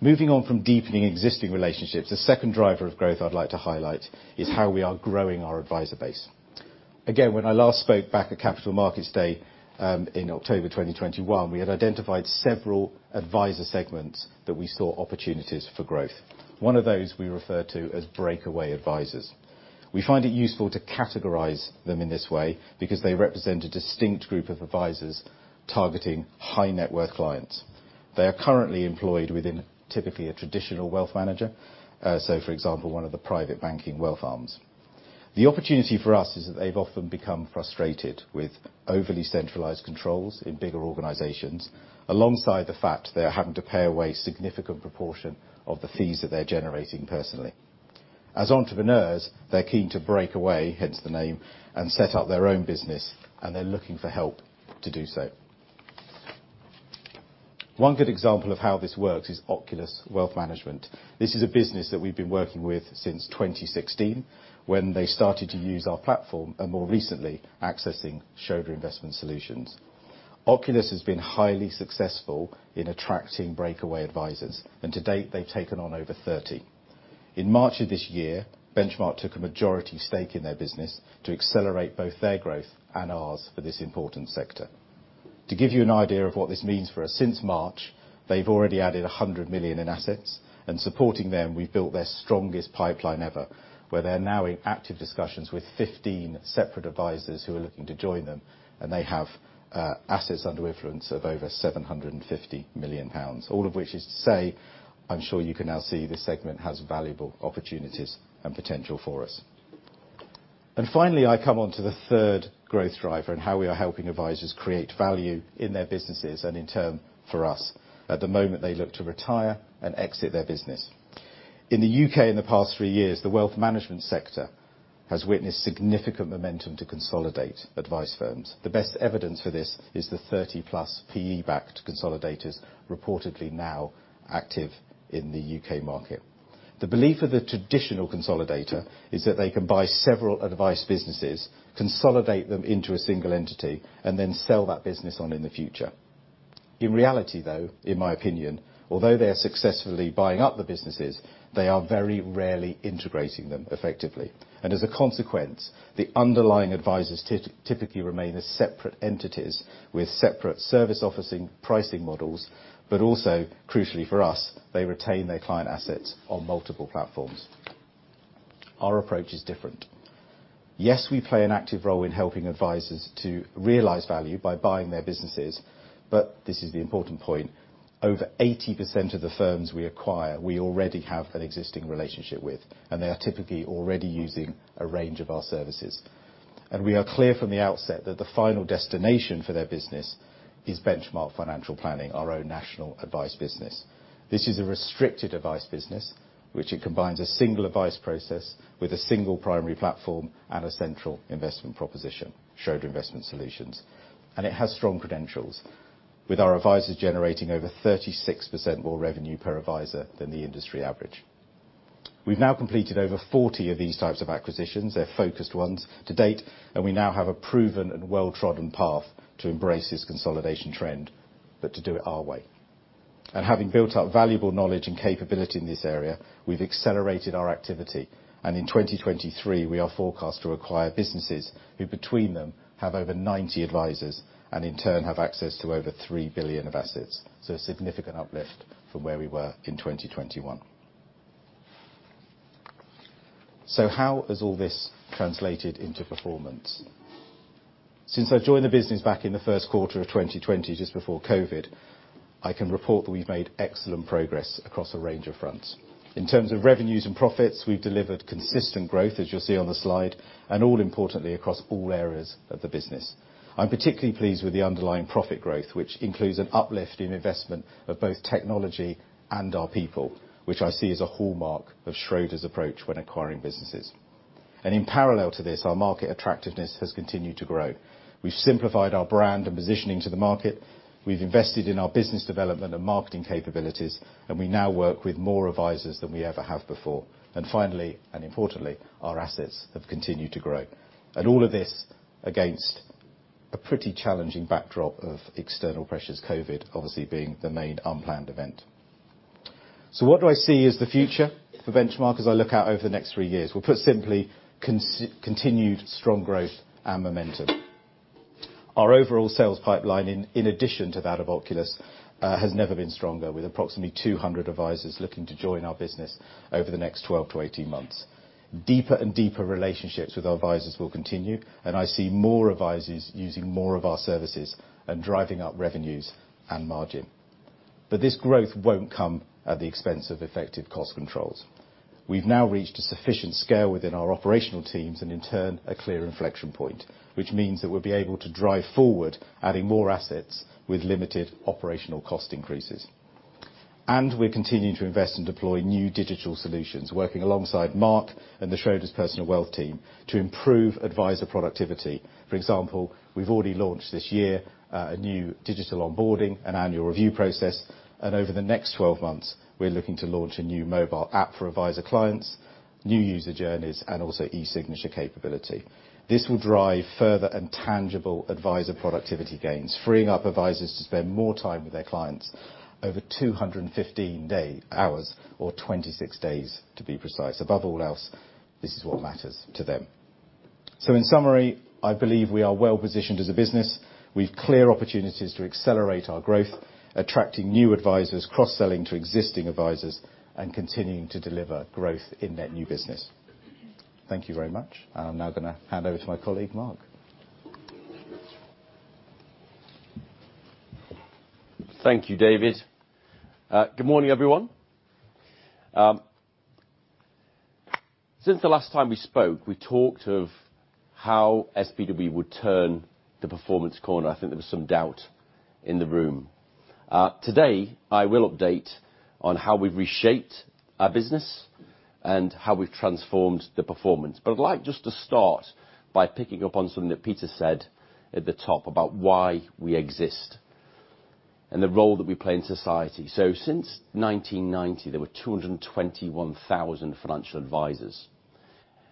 Speaker 3: Moving on from deepening existing relationships, the second driver of growth I'd like to highlight is how we are growing our advisor base. Again, when I last spoke back at Capital Markets Day, in October 2021, we had identified several advisor segments that we saw opportunities for growth. One of those we refer to as breakaway advisors. We find it useful to categorize them in this way because they represent a distinct group of advisors targeting high-net-worth clients. They are currently employed within typically a traditional wealth manager, so, for example, one of the private banking wealth arms. The opportunity for us is that they've often become frustrated with overly centralized controls in bigger organizations, alongside the fact they are having to pay away a significant proportion of the fees that they're generating personally. As entrepreneurs, they're keen to break away, hence the name, and set up their own business. They're looking for help to do so. One good example of how this works is Oculus Wealth Management. This is a business that we've been working with since 2016, when they started to use our platform, and more recently, accessing Schroder Investment Solutions. Oculus has been highly successful in attracting breakaway advisors. To date, they've taken on over 30. In March of this year, Benchmark took a majority stake in their business to accelerate both their growth and ours for this important sector. To give you an idea of what this means for us, since March, they've already added 100 million in assets, and supporting them, we've built their strongest pipeline ever, where they're now in active discussions with 15 separate advisors who are looking to join them, and they have assets under influence of over 750 million pounds. All of which is to say, I'm sure you can now see this segment has valuable opportunities and potential for us. Finally, I come on to the third growth driver and how we are helping advisors create value in their businesses and in turn for us, at the moment they look to retire and exit their business. In the U.K. in the past three years, the wealth management sector has witnessed significant momentum to consolidate advice firms. The best evidence for this is the 30-plus PE-backed consolidators reportedly now active in the U.K. market. The belief of the traditional consolidator is that they can buy several advice businesses, consolidate them into a single entity, and then sell that business on in the future. In reality, though, in my opinion, although they are successfully buying up the businesses, they are very rarely integrating them effectively. As a consequence, the underlying advisors typically remain as separate entities with separate service offering pricing models, but also, crucially for us, they retain their client assets on multiple platforms. Our approach is different. Yes, we play an active role in helping advisors to realize value by buying their businesses. This is the important point. Over 80% of the firms we acquire, we already have an existing relationship with. They are typically already using a range of our services. We are clear from the outset that the final destination for their business is Benchmark Financial Planning, our own national advice business. This is a restricted advice business, which it combines a single advice process with a single primary platform and a central investment proposition, Schroder Investment Solutions. It has strong credentials, with our advisors generating over 36% more revenue per advisor than the industry average. We've now completed over 40 of these types of acquisitions, they're focused ones, to date, and we now have a proven and well-trodden path to embrace this consolidation trend, but to do it our way. Having built up valuable knowledge and capability in this area, we've accelerated our activity, and in 2023, we are forecast to acquire businesses who, between them, have over 90 advisors and in turn have access to over 3 billion of assets. A significant uplift from where we were in 2021. How has all this translated into performance? Since I joined the business back in the Q1 of 2020, just before COVID, I can report that we've made excellent progress across a range of fronts. In terms of revenues and profits, we've delivered consistent growth, as you'll see on the slide, and all importantly, across all areas of the business. I'm particularly pleased with the underlying profit growth, which includes an uplift in investment of both technology and our people, which I see as a hallmark of Schroders' approach when acquiring businesses. In parallel to this, our market attractiveness has continued to grow. We've simplified our brand and positioning to the market, we've invested in our business development and marketing capabilities, and we now work with more advisors than we ever have before. Finally, and importantly, our assets have continued to grow. All of this against a pretty challenging backdrop of external pressures, COVID obviously being the main unplanned event. What do I see as the future for Benchmark as I look out over the next three years? Well, put simply, continued strong growth and momentum. Our overall sales pipeline, in addition to that of Oculus, has never been stronger, with approximately 200 advisers looking to join our business over the next 12 to 18 months. Deeper and deeper relationships with our advisers will continue, and I see more advisers using more of our services and driving up revenues and margin. This growth won't come at the expense of effective cost controls. We've now reached a sufficient scale within our operational teams, in turn, a clear inflection point, which means that we'll be able to drive forward, adding more assets with limited operational cost increases. We're continuing to invest and deploy new digital solutions, working alongside Mark and the Schroders Personal Wealth team to improve adviser productivity. For example, we've already launched this year, a new digital onboarding and annual review process, over the next 12 months, we're looking to launch a new mobile app for adviser clients, new user journeys, and also e-signature capability. This will drive further and tangible adviser productivity gains, freeing up advisers to spend more time with their clients, over 215 day-hours, or 26 days, to be precise. Above all else, this is what matters to them. In summary, I believe we are well positioned as a business. We've clear opportunities to accelerate our growth, attracting new advisers, cross-selling to existing advisers, and continuing to deliver growth in net new business. Thank you very much. I'm now going to hand over to my colleague, Mark.
Speaker 4: Thank you, David. Good morning, everyone. Since the last time we spoke, we talked of how SPW would turn the performance corner. I think there was some doubt in the room. Today, I will update on how we've reshaped our business and how we've transformed the performance. I'd like just to start by picking up on something that Peter said at the top about why we exist and the role that we play in society. Since 1990, there were 221,000 financial advisers,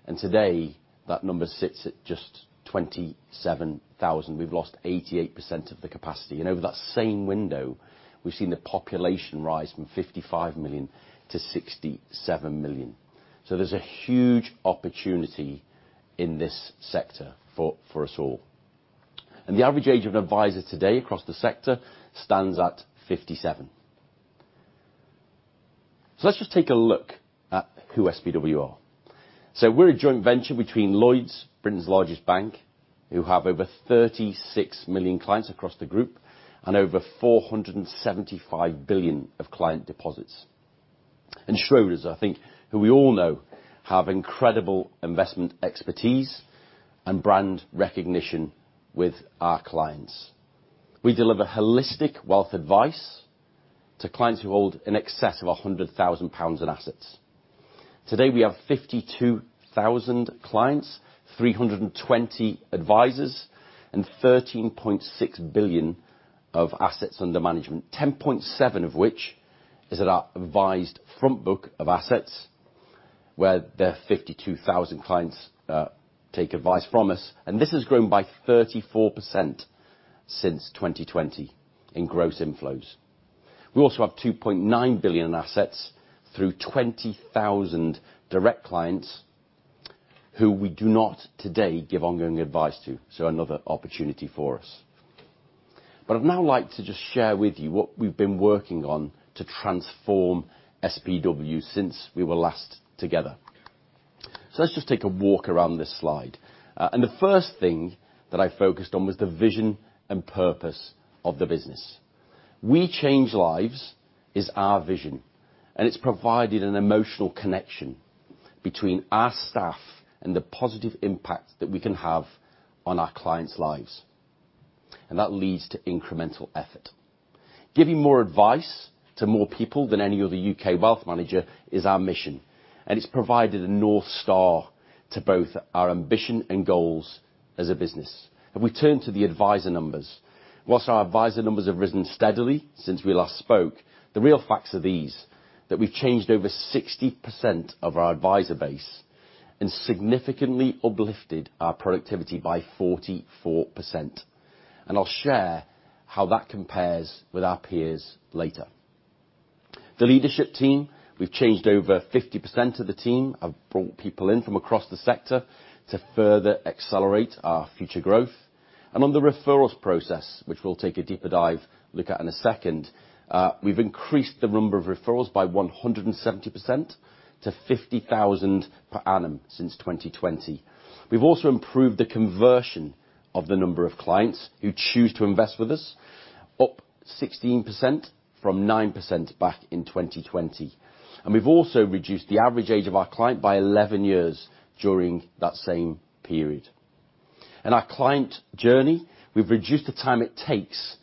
Speaker 4: and today, that number sits at just 27,000. We've lost 88% of the capacity, and over that same window, we've seen the population rise from 55 million to 67 million. There's a huge opportunity in this sector for us all. The average age of an adviser today across the sector stands at 57. Let's just take a look at who SPW are. We're a joint venture between Lloyds, Britain's largest bank, who have over 36 million clients across the group, and over 475 billion of client deposits. Schroders, I think, who we all know, have incredible investment expertise and brand recognition with our clients. We deliver holistic wealth advice to clients who hold in excess of 100,000 pounds in assets. Today, we have 52,000 clients, 320 advisers, and 13.6 billion of assets under management, 10.7 billion of which is at our advised front book of assets, where the 52,000 clients take advice from us, and this has grown by 34% since 2020 in gross inflows. We also have 2.9 billion in assets through 20,000 direct clients who we do not today give ongoing advice to, so another opportunity for us. I'd now like to just share with you what we've been working on to transform SPW since we were last together. Let's just take a walk around this slide. The first thing that I focused on was the vision and purpose of the business. 'We change lives' is our vision, and it's provided an emotional connection between our staff and the positive impact that we can have on our clients' lives, and that leads to incremental effort. 'Giving more advice to more people than any other U.K. wealth manager' is our mission, and it's provided a North Star to both our ambition and goals as a business. If we turn to the adviser numbers, whilst our adviser numbers have risen steadily since we last spoke, the real facts are these: that we've changed over 60% of our adviser base and significantly uplifted our productivity by 44%. I'll share how that compares with our peers later. The leadership team, we've changed over 50% of the team. I've brought people in from across the sector to further accelerate our future growth. On the referrals process, which we'll take a deeper dive look at in a second, we've increased the number of referrals by 170% to 50,000 per annum since 2020. We've also improved the conversion of the number of clients who choose to invest with us, up 16% from 9% back in 2020. We've also reduced the average age of our client by 11 years during that same period. In our client journey, we've reduced the time it takes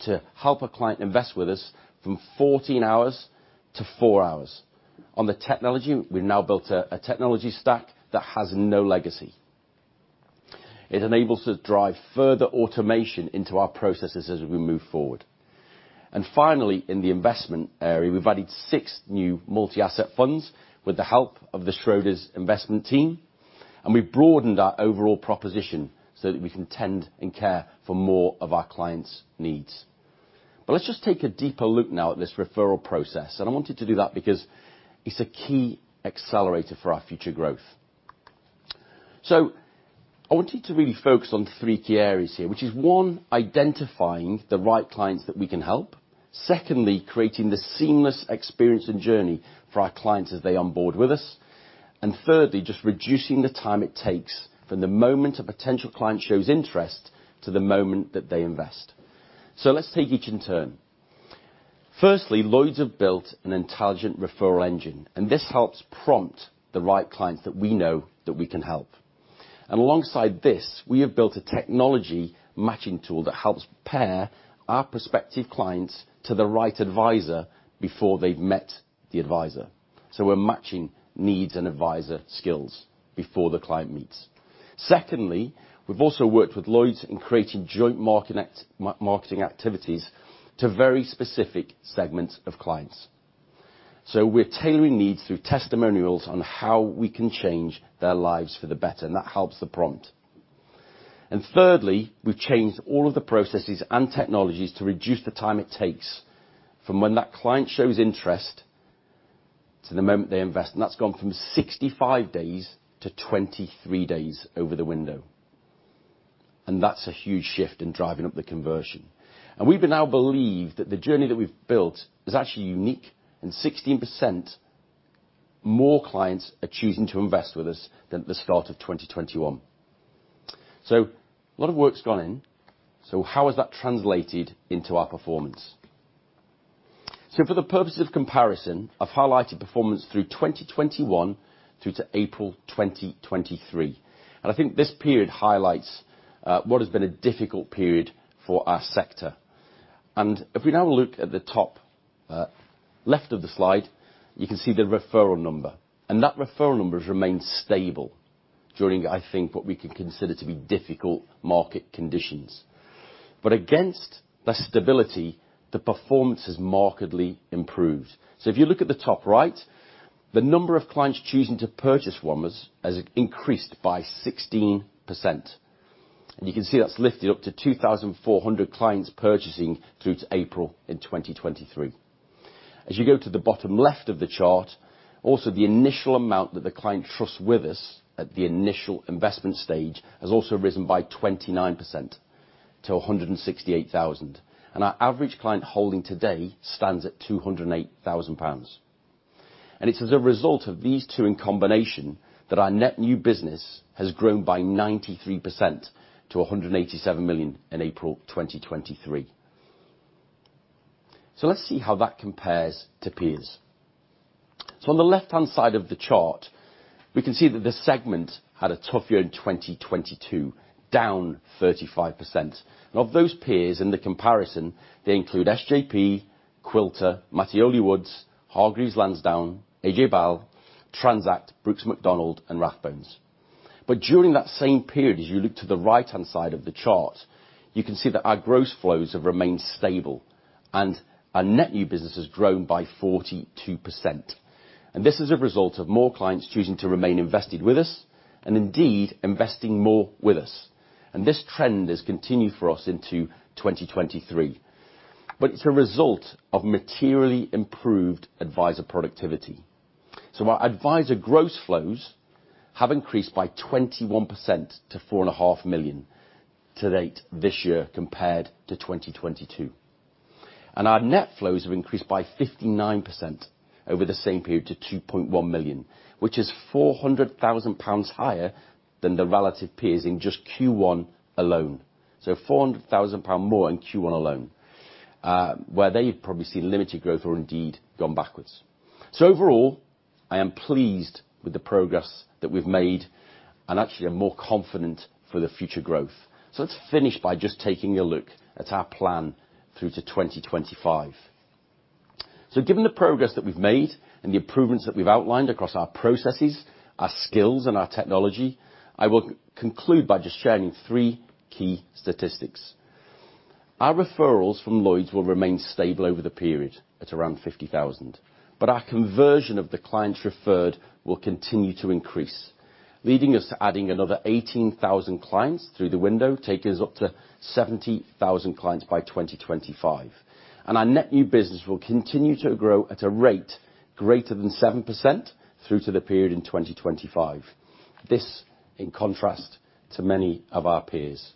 Speaker 4: to help a client invest with us from 14 hours to four hours. On the technology, we've now built a technology stack that has no legacy. It enables us to drive further automation into our processes as we move forward. Finally, in the investment area, we've added six new multi-asset funds with the help of the Schroders investment team, and we've broadened our overall proposition so that we can tend and care for more of our clients' needs. Let's just take a deeper look now at this referral process, and I want you to do that because it's a key accelerator for our future growth. I want you to really focus on three key areas here, which is, one, identifying the right clients that we can help. Secondly, creating the seamless experience and journey for our clients as they onboard with us. Thirdly, just reducing the time it takes from the moment a potential client shows interest to the moment that they invest. Let's take each in turn. Firstly, Lloyds have built an intelligent referral engine, and this helps prompt the right clients that we know that we can help. Alongside this, we have built a technology matching tool that helps pair our prospective clients to the right advisor before they've met the advisor. We're matching needs and advisor skills before the client meets. Secondly, we've also worked with Lloyds in creating joint market Marketing activities to very specific segments of clients. We're tailoring needs through testimonials on how we can change their lives for the better, and that helps the prompt. Thirdly, we've changed all of the processes and technologies to reduce the time it takes from when that client shows interest to the moment they invest, and that's gone from 65 days to 23 days over the window. That's a huge shift in driving up the conversion. We now believe that the journey that we've built is actually unique, and 16% more clients are choosing to invest with us than at the start of 2021. A lot of work's gone in. How has that translated into our performance? For the purpose of comparison, I've highlighted performance through 2021 through to April 2023, and I think this period highlights what has been a difficult period for our sector. If we now look at the top left of the slide, you can see the referral number, and that referral number has remained stable during, I think, what we can consider to be difficult market conditions. Against the stability, the performance has markedly improved. If you look at the top right, the number of clients choosing to purchase from us has increased by 16%, and you can see that's lifted up to 2,400 clients purchasing through to April in 2023. As you go to the bottom left of the chart, also, the initial amount that the client trusts with us at the initial investment stage has also risen by 29% to 168,000. Our average client holding today stands at 208,000 pounds. It's as a result of these two in combination, that our net new business has grown by 93% to 187 million in April 2023. Let's see how that compares to peers. On the left-hand side of the chart, we can see that this segment had a tough year in 2022, down 35%. Of those peers in the comparison, they include SJP, Quilter, Mattioli Woods, Hargreaves Lansdown, AJ Bell, Transact, Brooks Macdonald, and Rathbones. During that same period, as you look to the right-hand side of the chart, you can see that our gross flows have remained stable, and our net new business has grown by 42%. This is a result of more clients choosing to remain invested with us and indeed investing more with us, and this trend has continued for us into 2023. It's a result of materially improved advisor productivity. Our advisor gross flows have increased by 21% to four and a half million to date this year, compared to 2022. Our net flows have increased by 59% over the same period to 2.1 million, which is 400,000 pounds higher than the relative peers in just Q1 alone. 400,000 pound more in Q1 alone, where they've probably seen limited growth or indeed gone backwards. Overall, I am pleased with the progress that we've made and actually are more confident for the future growth. Let's finish by just taking a look at our plan through to 2025. Given the progress that we've made and the improvements that we've outlined across our processes, our skills, and our technology, I will conclude by just sharing three key statistics. Our referrals from Lloyds will remain stable over the period at around 50,000, but our conversion of the clients referred will continue to increase, leading us to adding another 18,000 clients through the window, taking us up to 70,000 clients by 2025. Our net new business will continue to grow at a rate greater than 7% through to the period in 2025. This in contrast to many of our peers.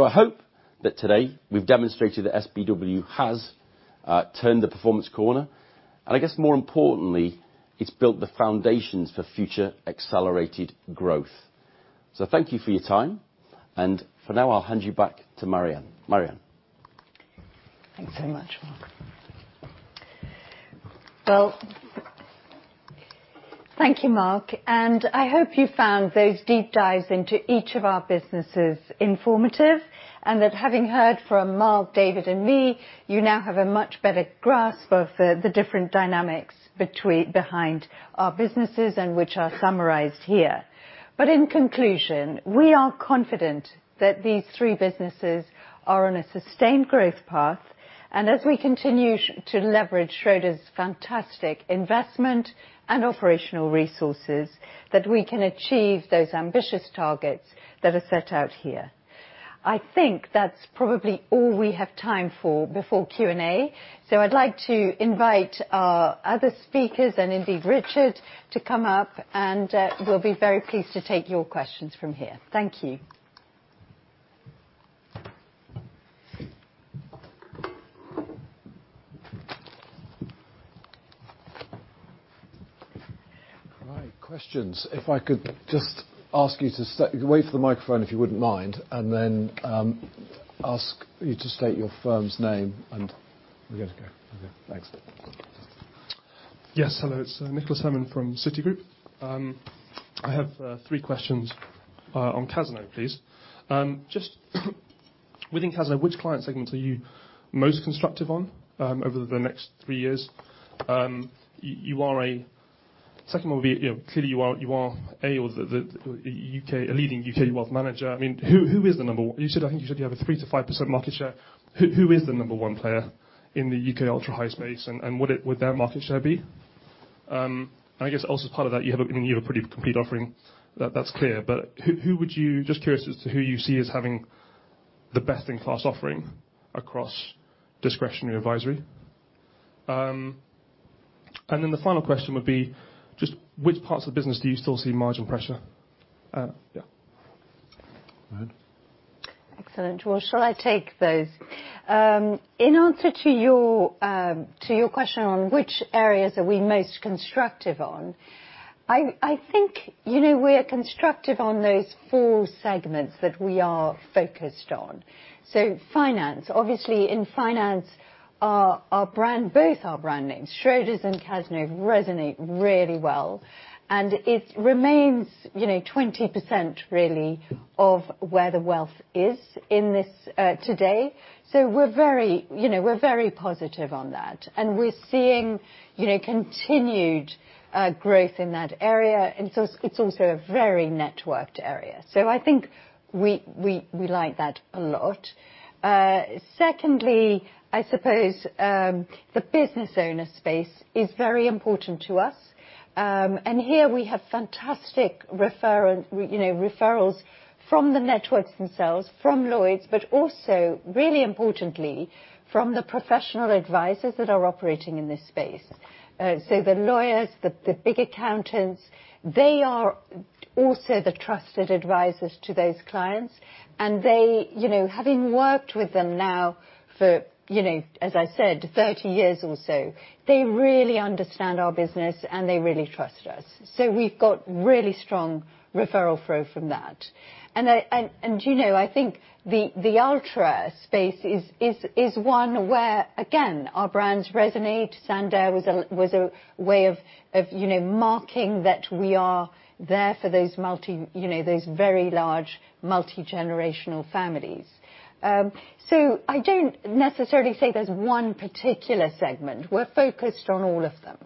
Speaker 4: I hope that today we've demonstrated that SPW has turned the performance corner, and I guess more importantly, it's built the foundations for future accelerated growth. Thank you for your time, and for now, I'll hand you back to Mary-Anne. Mary-Anne?
Speaker 2: Thanks so much, Mark. Well, thank you, Mark, and I hope you found those deep dives into each of our businesses informative, and that having heard from Mark, David, and me, you now have a much better grasp of the different dynamics Behind our businesses and which are summarized here. In conclusion, we are confident that these three businesses are on a sustained growth path, and as we continue to leverage Schroders' fantastic investment and operational resources, that we can achieve those ambitious targets that are set out here. I think that's probably all we have time for before Q&A. I'd like to invite our other speakers and indeed, Richard, to come up, and we'll be very pleased to take your questions from here. Thank you.
Speaker 1: All right, questions. If I could just ask you to wait for the microphone, if you wouldn't mind, and then ask you to state your firm's name, and we're good to go. Okay, thanks.
Speaker 5: Yes, hello, it's Nicholas Hammond from Citigroup. I have three questions on Cazenove, please. Just, within Cazenove, which client segments are you most constructive on over the next three years? You are a second one would be, you know, clearly, you are A, or the U.K., a leading U.K. wealth manager. I mean, who is the number one? You said, I think you said you have a 3% to 5% market share. Who is the number one player in the U.K. ultra-high space, and what it, would their market share be? I guess also part of that, you have a pretty complete offering. That's clear, but who would you Just curious as to who you see as having the best-in-class offering across discretionary advisory? The final question would be: just which parts of the business do you still see margin pressure?
Speaker 1: Go ahead.
Speaker 2: Excellent. Well, shall I take those? In answer to your question on which areas are we most constructive on, I think, you know, we are constructive on those four segments that we are focused on. Finance, obviously in finance, our brand, both our brand names, Schroders and Cazenove, resonate really well, and it remains, you know, 20% really, of where the wealth is in this today. We're very, you know, we're very positive on that, and we're seeing, you know, continued growth in that area, it's also a very networked area. I think we like that a lot. Secondly, I suppose, the business owner space is very important to us. Here we have fantastic you know, referrals from the networks themselves, from Lloyds, but also, really importantly, from the professional advisors that are operating in this space. The lawyers, the big accountants, they are also the trusted advisors to those clients, and they, you know, having worked with them now for, you know, as I said, 30 years or so, they really understand our business, and they really trust us. We've got really strong referral flow from that. I, and you know, I think the ultra space is one where, again, our brands resonate. Sandaire was a way of, you know, marking that we are there for those you know, those very large, multi-generational families. I don't necessarily say there's one particular segment. We're focused on all of them,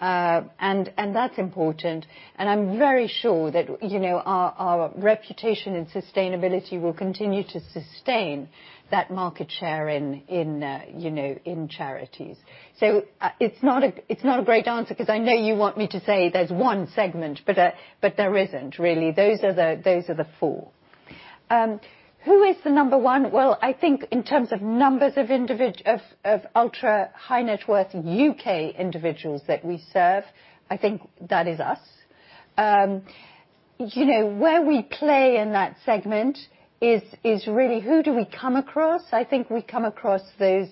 Speaker 2: and that's important, and I'm very sure that, you know, our reputation and sustainability will continue to sustain that market share in, you know, in charities. It's not a great answer because I know you want me to say there's one segment, but there isn't really. Those are the four. Who is the number one? Well, I think in terms of numbers of ultra-high net worth U.K. individuals that we serve, I think that is us. You know, where we play in that segment is really who do we come across? I think we come across those,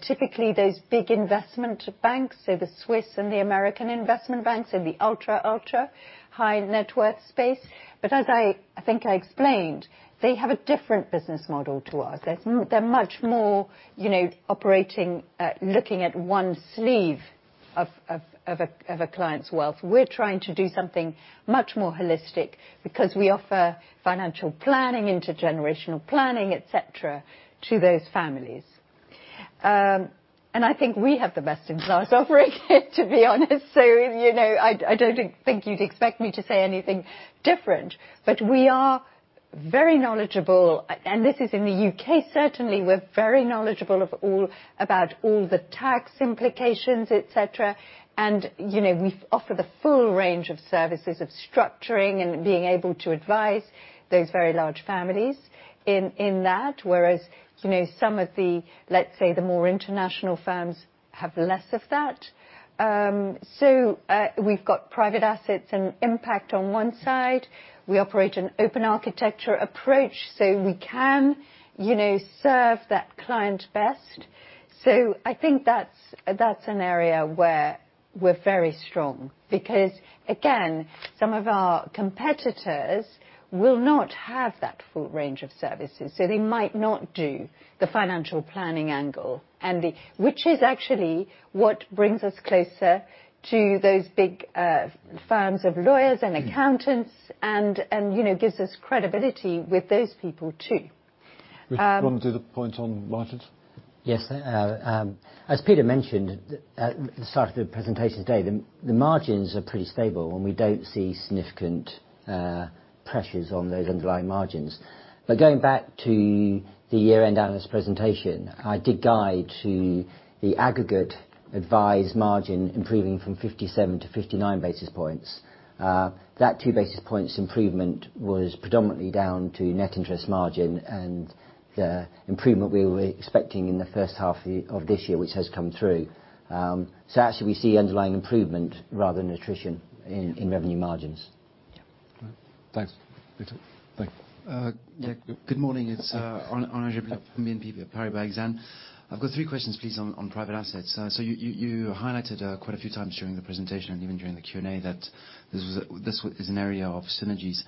Speaker 2: typically those big investment banks, so the Swiss and the American investment banks in the ultra high net worth space. As I think I explained, they have a different business model to us. They're much more, you know, operating, looking at one sleeve of a client's wealth. We're trying to do something much more holistic because we offer financial planning, intergenerational planning, et cetera, to those families. I think we have the best-in-class offering, to be honest. You know, I don't think you'd expect me to say anything different. We are very knowledgeable, and this is in the U.K., certainly, we're very knowledgeable about all the tax implications, et cetera. You know, we offer the full range of services, of structuring and being able to advise those very large families in that, whereas, you know, some of the, let's say, the more international firms have less of that. We've got private assets and impact on one side. We operate an open architecture approach, so we can, you know, serve that client best. I think that's an area where we're very strong because, again, some of our competitors will not have that full range of services, so they might not do the financial planning angle, and which is actually what brings us closer to those big firms of lawyers and accountants and, you know, gives us credibility with those people, too.
Speaker 1: Richard, do you want to do the point on margins?
Speaker 6: Yes. As Peter mentioned, at the start of the presentation today, the margins are pretty stable, and we don't see significant pressures on those underlying margins. Going back to the year-end analyst presentation, I did guide to the aggregate advised margin improving from 57 to 59 basis points. That 2 basis points improvement was predominantly down to net interest margin and the improvement we were expecting in the first half of this year, which has come through. Actually, we see underlying improvement rather than attrition in revenue margins.
Speaker 5: Thanks, Peter. Thank you.
Speaker 7: Yeah, good morning. It's Andre from BNP Paribas Exane. I've got three questions, please, on private assets. You highlighted quite a few times during the presentation and even during the Q&A, that this is an area of synergies.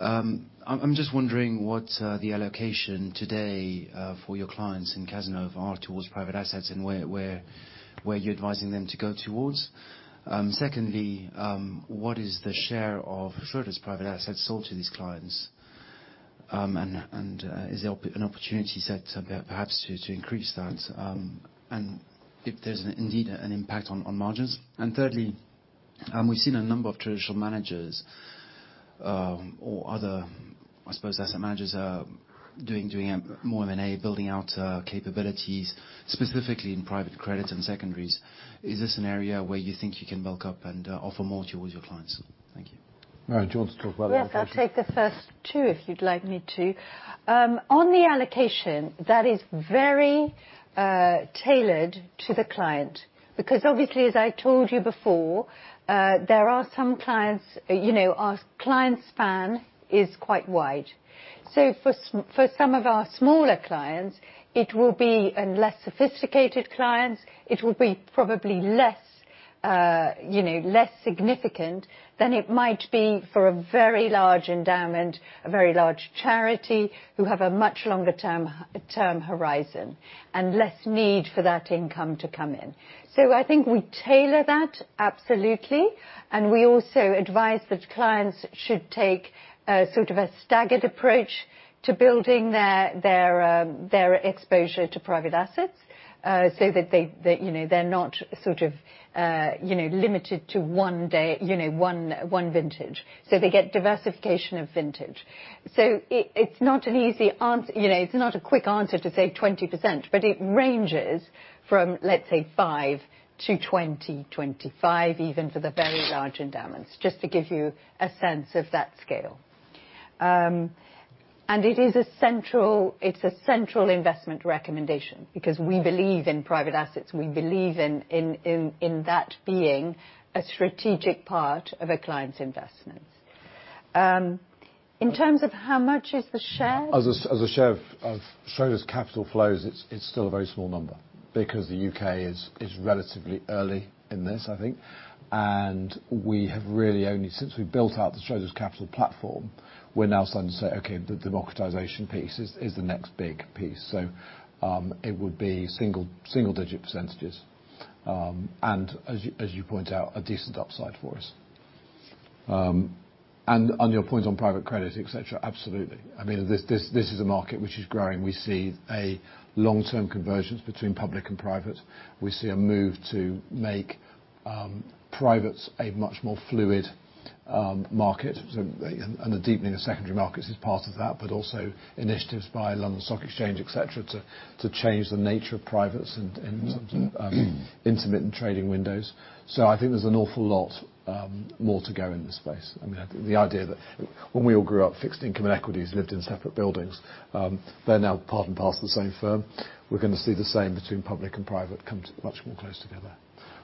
Speaker 7: I'm just wondering what the allocation today for your clients in Cazenove are towards private assets, and where you're advising them to go towards? Secondly, what is the share of Schroders private assets sold to these clients? And is there an opportunity set perhaps to increase that, and if there's indeed an impact on margins? Thirdly, we've seen a number of traditional managers, or other, I suppose, asset managers are doing more M&A, building out capabilities, specifically in private credit and secondaries. Is this an area where you think you can bulk up and offer more towards your clients? Thank you.
Speaker 1: Mary, do you want to talk about allocations?
Speaker 2: Yes, I'll take the first two, if you'd like me to. On the allocation, that is very tailored to the client, because obviously, as I told you before, there are some clients, our clients' span is quite wide. For some of our smaller clients, it will be, and less sophisticated clients, it will be probably less significant than it might be for a very large endowment, a very large charity, who have a much longer term horizon and less need for that income to come in. I think we tailor that, absolutely, and we also advise that clients should take, sort of a staggered approach to building their, their exposure to private assets, so that they, you know, they're not sort of, you know, limited to one day, you know, one vintage. They get diversification of vintage. It's not an easy answer, you know, it's not a quick answer to say 20%, but it ranges from, let's say, 5% to 20%, 25%, even for the very large endowments, just to give you a sense of that scale. And it is a central, it's a central investment recommendation because we believe in private assets. We believe in that being a strategic part of a client's investments. In terms of how much is the share?
Speaker 1: As a share of Schroders Capital flows, it's still a very small number because the U.K. is relatively early in this, I think, and we have really only since we built out the Schroders Capital platform. We're now starting to say, "Okay, the democratization piece is the next big piece." It would be single-digit percentages. As you point out, a decent upside for us. On your point on private credit, et cetera, absolutely. I mean, this is a market which is growing. We see a long-term convergence between public and private. We see a move to make privates a much more fluid market, so, and the deepening of secondary markets is part of that, but also initiatives by London Stock Exchange, et cetera, to change the nature of privates and intermittent trading windows. I think there's an awful lot more to go in this space. I mean, the idea that when we all grew up, fixed income and equities lived in separate buildings, they're now part and parcel of the same firm. We're going to see the same between public and private come much more close together.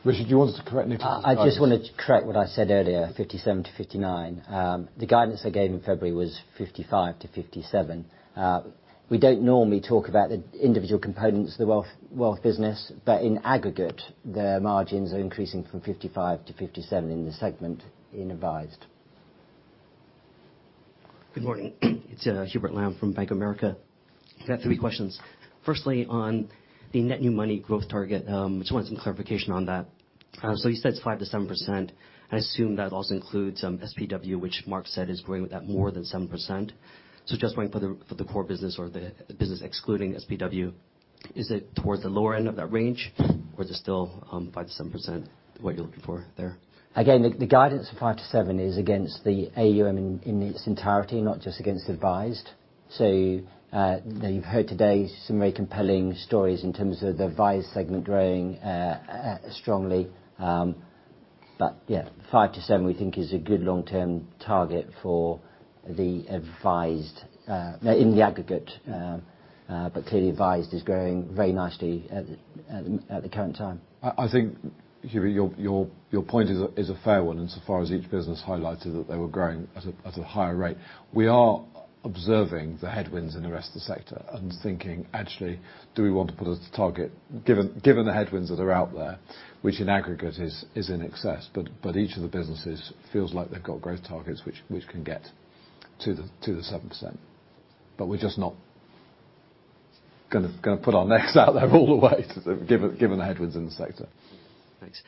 Speaker 1: Richard, do you want us to correct me?
Speaker 6: I just wanted to correct what I said earlier, 57% to 59%. The guidance I gave in February was 55% to 57%. We don't normally talk about the individual components of the wealth business, but in aggregate, the margins are increasing from 55% to 57% in the segment in advised.
Speaker 8: Good morning. It's, Hubert Lam from Bank of America. I have three questions. Firstly, on the net new money growth target, just want some clarification on that. You said it's 5% to 7%. I assume that also includes SPW, which Mark said is growing at more than 7%. Just wanting for the core business or the business excluding SPW, is it towards the lower end of that range, or is it still 5% to 7%, what you're looking for there?
Speaker 6: Again, the guidance of 5%to 7% is against the AUM in its entirety, not just against the advised. You've heard today some very compelling stories in terms of the advised segment growing strongly. Yeah, 5% to 7%, we think is a good long-term target for the advised in the aggregate, but clearly advised is growing very nicely at the current time.
Speaker 1: I think, Hubert, your point is a fair one, insofar as each business highlighted that they were growing at a higher rate. We are observing the headwinds in the rest of the sector and thinking, actually, do we want to put us a target, given the headwinds that are out there, which in aggregate is in excess, but each of the businesses feels like they've got growth targets which can get to the 7%. We're just not gonna put our necks out there all the way, given the headwinds in the sector.
Speaker 8: Thanks.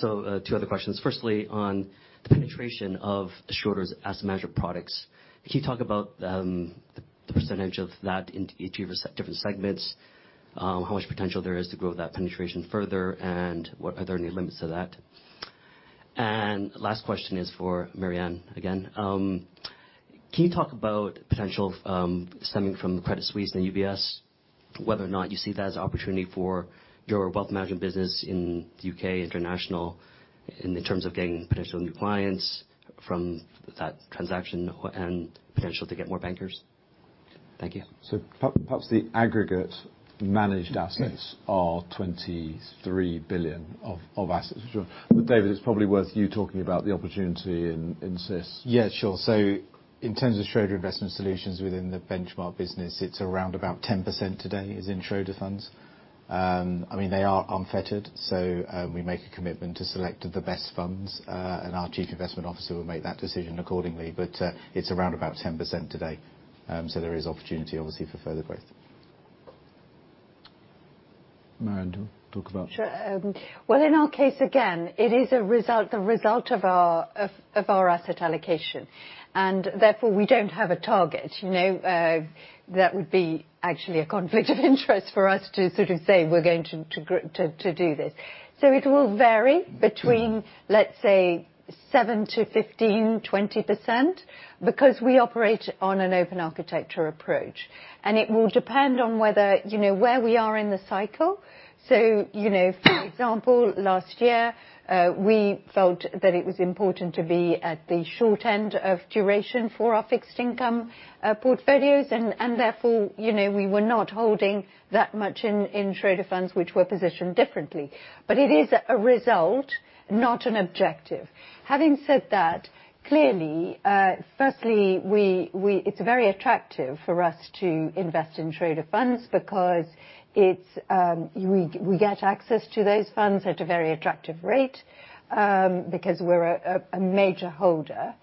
Speaker 8: Two other questions. Firstly, on the penetration of Schroders' asset management products, can you talk about the percentage of that in each of your different segments? How much potential there is to grow that penetration further, and are there any limits to that? Last question is for Mary-Anne, again. Can you talk about potential stemming from Credit Suisse and UBS, whether or not you see that as an opportunity for your wealth management business in the U.K, International, in terms of gaining potential new clients from that transaction, and potential to get more bankers? Thank you.
Speaker 1: Perhaps the aggregate managed assets.
Speaker 3: Yes.
Speaker 1: are 23 billion of assets. David, it's probably worth you talking about the opportunity in SIS.
Speaker 3: Yeah, sure. In terms of Schroder Investment Solutions within the Benchmark business, it's around about 10% today, is in Schroders funds. I mean, they are unfettered, we make a commitment to select the best funds, and our chief investment officer will make that decision accordingly. It's around about 10% today. There is opportunity, obviously, for further growth.
Speaker 1: Mary-Anne, do you want to talk about-?
Speaker 2: Sure. Well, in our case, again, it is a result, the result of our asset allocation. Therefore, we don't have a target. You know, that would be actually a conflict of interest for us to sort of say, "We're going to do this." It will vary between, let's say, 7% to 15%, 20%, because we operate on an open architecture approach, and it will depend on whether, you know, where we are in the cycle. You know, for example, last year, we felt that it was important to be at the short end of duration for our fixed income portfolios, and therefore, you know, we were not holding that much in Schroders funds, which were positioned differently. It is a result, not an objective. Having said that, clearly, firstly, we it's very attractive for us to invest in Schroders funds because it's, we get access to those funds at a very attractive rate, because we're a major holder.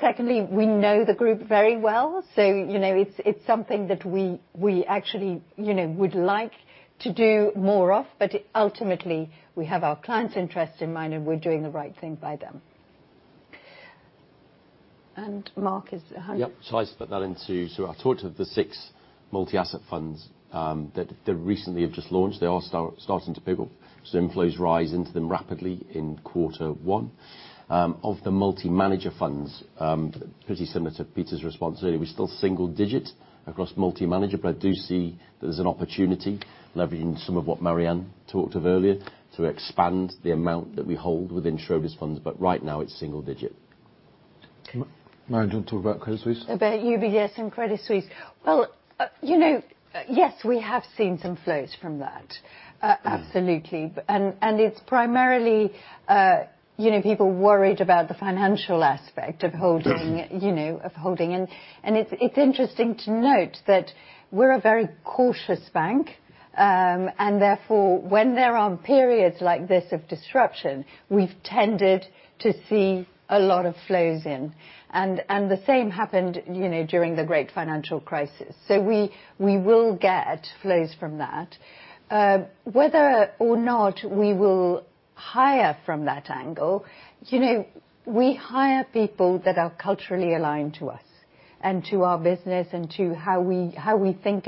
Speaker 2: Secondly, we know the group very well, so, you know, it's something that we actually, you know, would like to do more of. Ultimately, we have our clients' interests in mind, and we're doing the right thing by them. Mark, is how.
Speaker 4: Yep. I talked of the six multi-asset funds that recently have just launched. They are starting to pay off. Inflows rise into them rapidly in quarter one. Of the multi-manager funds, pretty similar to Peter's response earlier, we're still single digit across multi-manager, but I do see there's an opportunity, leveraging some of what Mary-Anne talked of earlier, to expand the amount that we hold within Schroders funds, but right now it's single digit.
Speaker 1: Mary-Anne, do you want to talk about Credit Suisse?
Speaker 2: About UBS and Credit Suisse. Well, you know, yes, we have seen some flows from that, absolutely.
Speaker 1: Mm.
Speaker 2: It's primarily, you know, people worried about the financial aspect of holding.
Speaker 1: Yes
Speaker 2: You know, of holding. It's interesting to note that we're a very cautious bank, and therefore, when there are periods like this of disruption, we've tended to see a lot of flows in. The same happened, you know, during the great financial crisis. We will get flows from that. Whether or not we will hire from that angle, you know, we hire people that are culturally aligned to us and to our business and to how we think.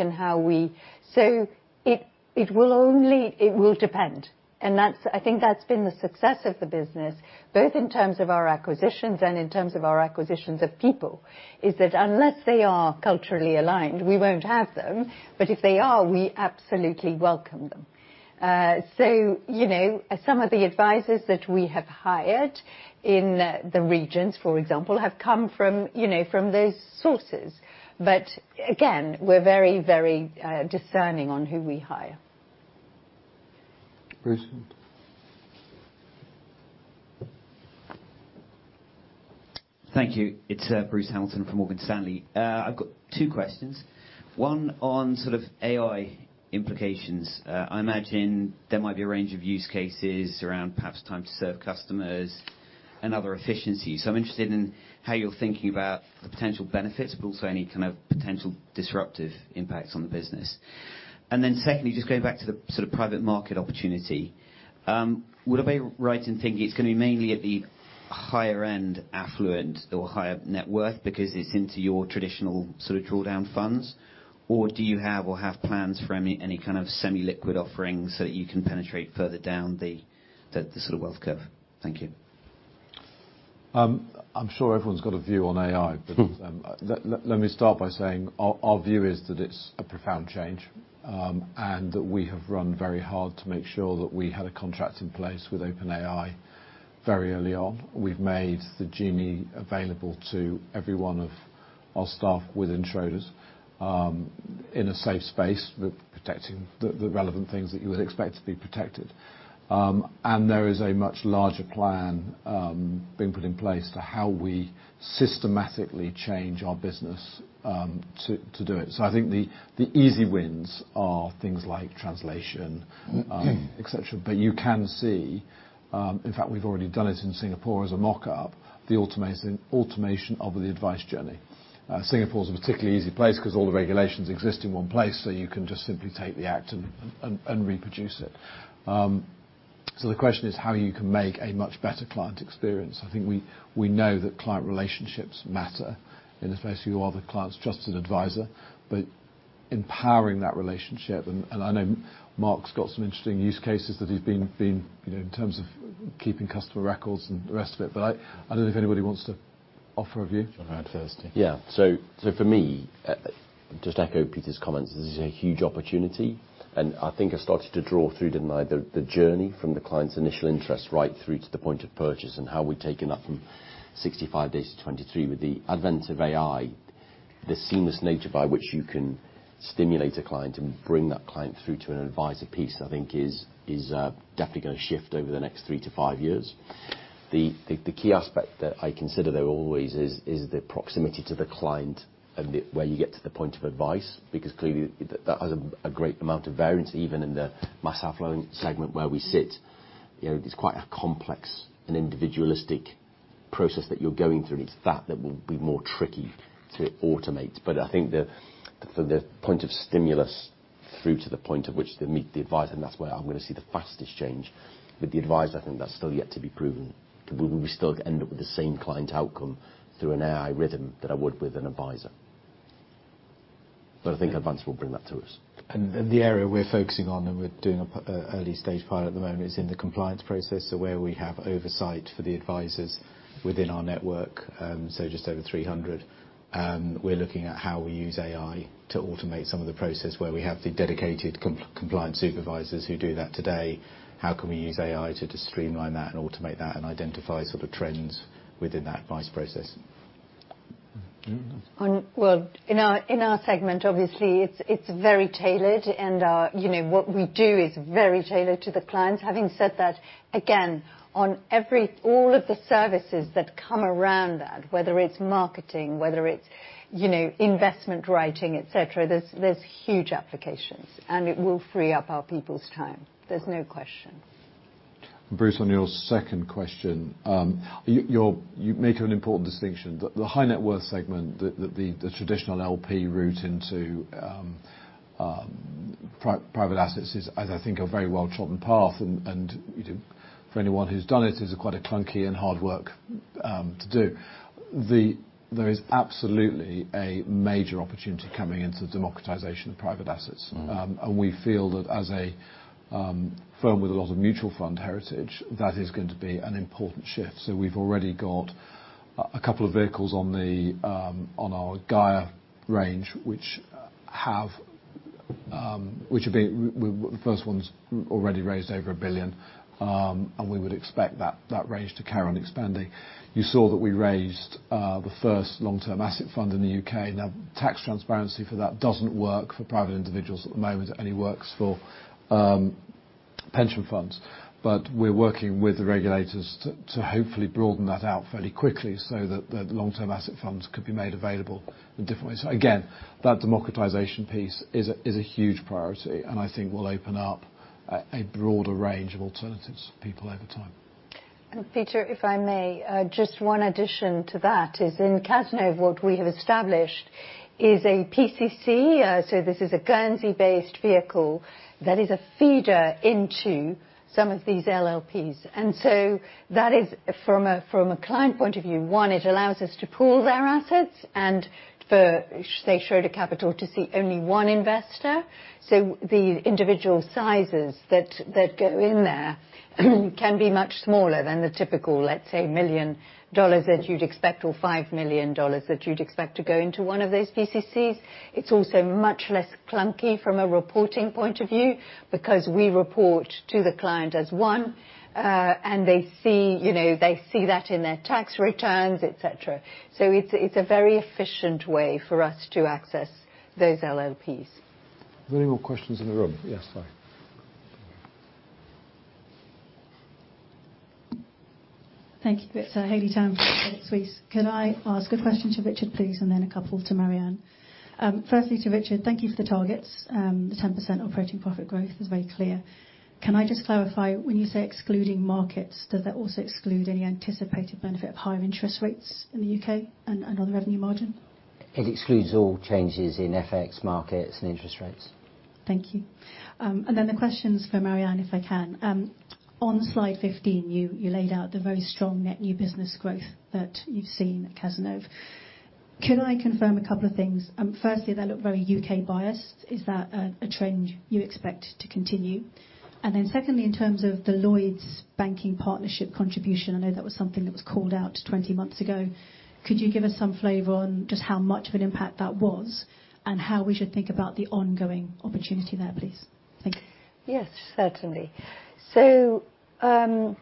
Speaker 2: It will depend, and that's, I think that's been the success of the business, both in terms of our acquisitions and in terms of our acquisitions of people, is that unless they are culturally aligned, we won't have them, but if they are, we absolutely welcome them. You know, some of the advisors that we have hired in, the regions, for example, have come from, you know, from those sources. Again, we're very discerning on who we hire.
Speaker 1: Bruce?
Speaker 9: Thank you. It's Bruce Hamilton from Morgan Stanley. I've got two questions. One on sort of AI implications. I imagine there might be a range of use cases around perhaps time to serve customers and other efficiencies. I'm interested in how you're thinking about the potential benefits, but also any kind of potential disruptive impacts on the business. Secondly, just going back to the sort of private market opportunity, would I be right in thinking it's going to be mainly at the higher end, affluent or higher net worth, because it's into your traditional sort of drawdown funds? Do you have or have plans for any kind of semi-liquid offerings so that you can penetrate further down the sort of wealth curve? Thank you.
Speaker 1: I'm sure everyone's got a view on AI. Let me start by saying our view is that it's a profound change, and that we have run very hard to make sure that we had a contract in place with OpenAI very early on. We've made the Genie available to every one of our staff within Schroders, in a safe space, with protecting the relevant things that you would expect to be protected. There is a much larger plan being put in place to how we systematically change our business to do it. I think the easy wins are things like translation, et cetera. You can see. In fact, we've already done it in Singapore as a mock-up, the automation of the advice journey. Singapore is a particularly easy place because all the regulations exist in one place, so you can just simply take the act and reproduce it. The question is how you can make a much better client experience. I think we know that client relationships matter, and if you are the client's trusted advisor, but empowering that relationship, and I know Mark's got some interesting use cases that he's been, you know, in terms of keeping customer records and the rest of it, but I don't know if anybody wants to offer a view.
Speaker 3: All right, firstly.
Speaker 4: For me, just to echo Peter's comments, this is a huge opportunity, and I think I started to draw through, didn't I, the journey from the client's initial interest right through to the point of purchase and how we've taken that from 65 days to 23. With the advent of AI, the seamless nature by which you can stimulate a client and bring that client through to an advisor piece, I think is definitely going to shift over the next three to five years. The key aspect that I consider, though, always is the proximity to the client and where you get to the point of advice, because clearly that has a great amount of variance, even in the mass affluent segment where we sit. You know, it's quite a complex and individualistic process that you're going through, and it's that that will be more tricky to automate. I think from the point of stimulus through to the point at which they meet the advisor, and that's where I'm going to see the fastest change. With the advisor, I think that's still yet to be proven. We still end up with the same client outcome through an AI rhythm that I would with an advisor. I think advance will bring that to us.
Speaker 3: The area we're focusing on, and we're doing an early stage pilot at the moment, is in the compliance process, so where we have oversight for the advisors within our network, so just over 300. We're looking at how we use AI to automate some of the process where we have the dedicated compliance supervisors who do that today. How can we use AI to just streamline that and automate that, and identify sort of trends within that advice process?
Speaker 2: Well, in our segment, obviously, it's very tailored, and, you know, what we do is very tailored to the clients. Having said that, again, all of the services that come around that, whether it's marketing, whether it's, you know, investment writing, et cetera, there's huge applications. It will free up our people's time. There's no question.
Speaker 1: Bruce, on your second question, you make an important distinction. The high net worth segment, the traditional LP route into private assets is, I think, a very well-trodden path. And, you know, for anyone who's done it, is quite a clunky and hard work to do. There is absolutely a major opportunity coming into the democratization of private assets.
Speaker 4: Mm-hmm.
Speaker 1: We feel that as a firm with a lot of mutual fund heritage, that is going to be an important shift. We've already got a couple of vehicles on the GAIA range, which have been. Well, the first one's already raised over 1 billion. We would expect that range to carry on expanding. You saw that we raised the first long-term asset fund in the U.K. Tax transparency for that doesn't work for private individuals at the moment. It only works for pension funds. We're working with the regulators to hopefully broaden that out fairly quickly, so that the long-term asset funds could be made available in different ways. Again, that democratization piece is a, is a huge priority, and I think will open up a broader range of alternatives for people over time.
Speaker 2: Peter, if I may, just one addition to that is in Cazenove, what we have established is a PCC. So this is a Guernsey-based vehicle that is a feeder into some of these LLPs. That is from a, from a client point of view, one, it allows us to pool their assets and for, say, Schroders Capital to see only one investor. So the individual sizes that go in there, can be much smaller than the typical, let's say, $1 million that you'd expect, or $5 million that you'd expect to go into one of those PCCs. It's also much less clunky from a reporting point of view, because we report to the client as one. They see, you know, they see that in their tax returns, et cetera. It's a very efficient way for us to access those LLPs.
Speaker 1: Are there any more questions in the room? Yes, sorry.
Speaker 10: Thank you. It's Haley Tan from Credit Suisse. Could I ask a question to Richard, please, and then a couple to Mary-Anne? Firstly, to Richard, thank you for the targets. The 10% operating profit growth is very clear. Can I just clarify, when you say excluding markets, does that also exclude any anticipated benefit of higher interest rates in the U.K. and on the revenue margin?
Speaker 6: It excludes all changes in FX markets and interest rates.
Speaker 10: Thank you. The questions for Mary-Anne, if I can. On slide 15, you laid out the very strong net new business growth that you've seen at Cazenove. Can I confirm a couple of things? Firstly, they look very U.K. biased. Is that a trend you expect to continue? Secondly, in terms of the Lloyds Banking Partnership contribution, I know that was something that was called out 20 months ago. Could you give us some flavor on just how much of an impact that was, and how we should think about the ongoing opportunity there, please? Thank you.
Speaker 2: Yes, certainly. I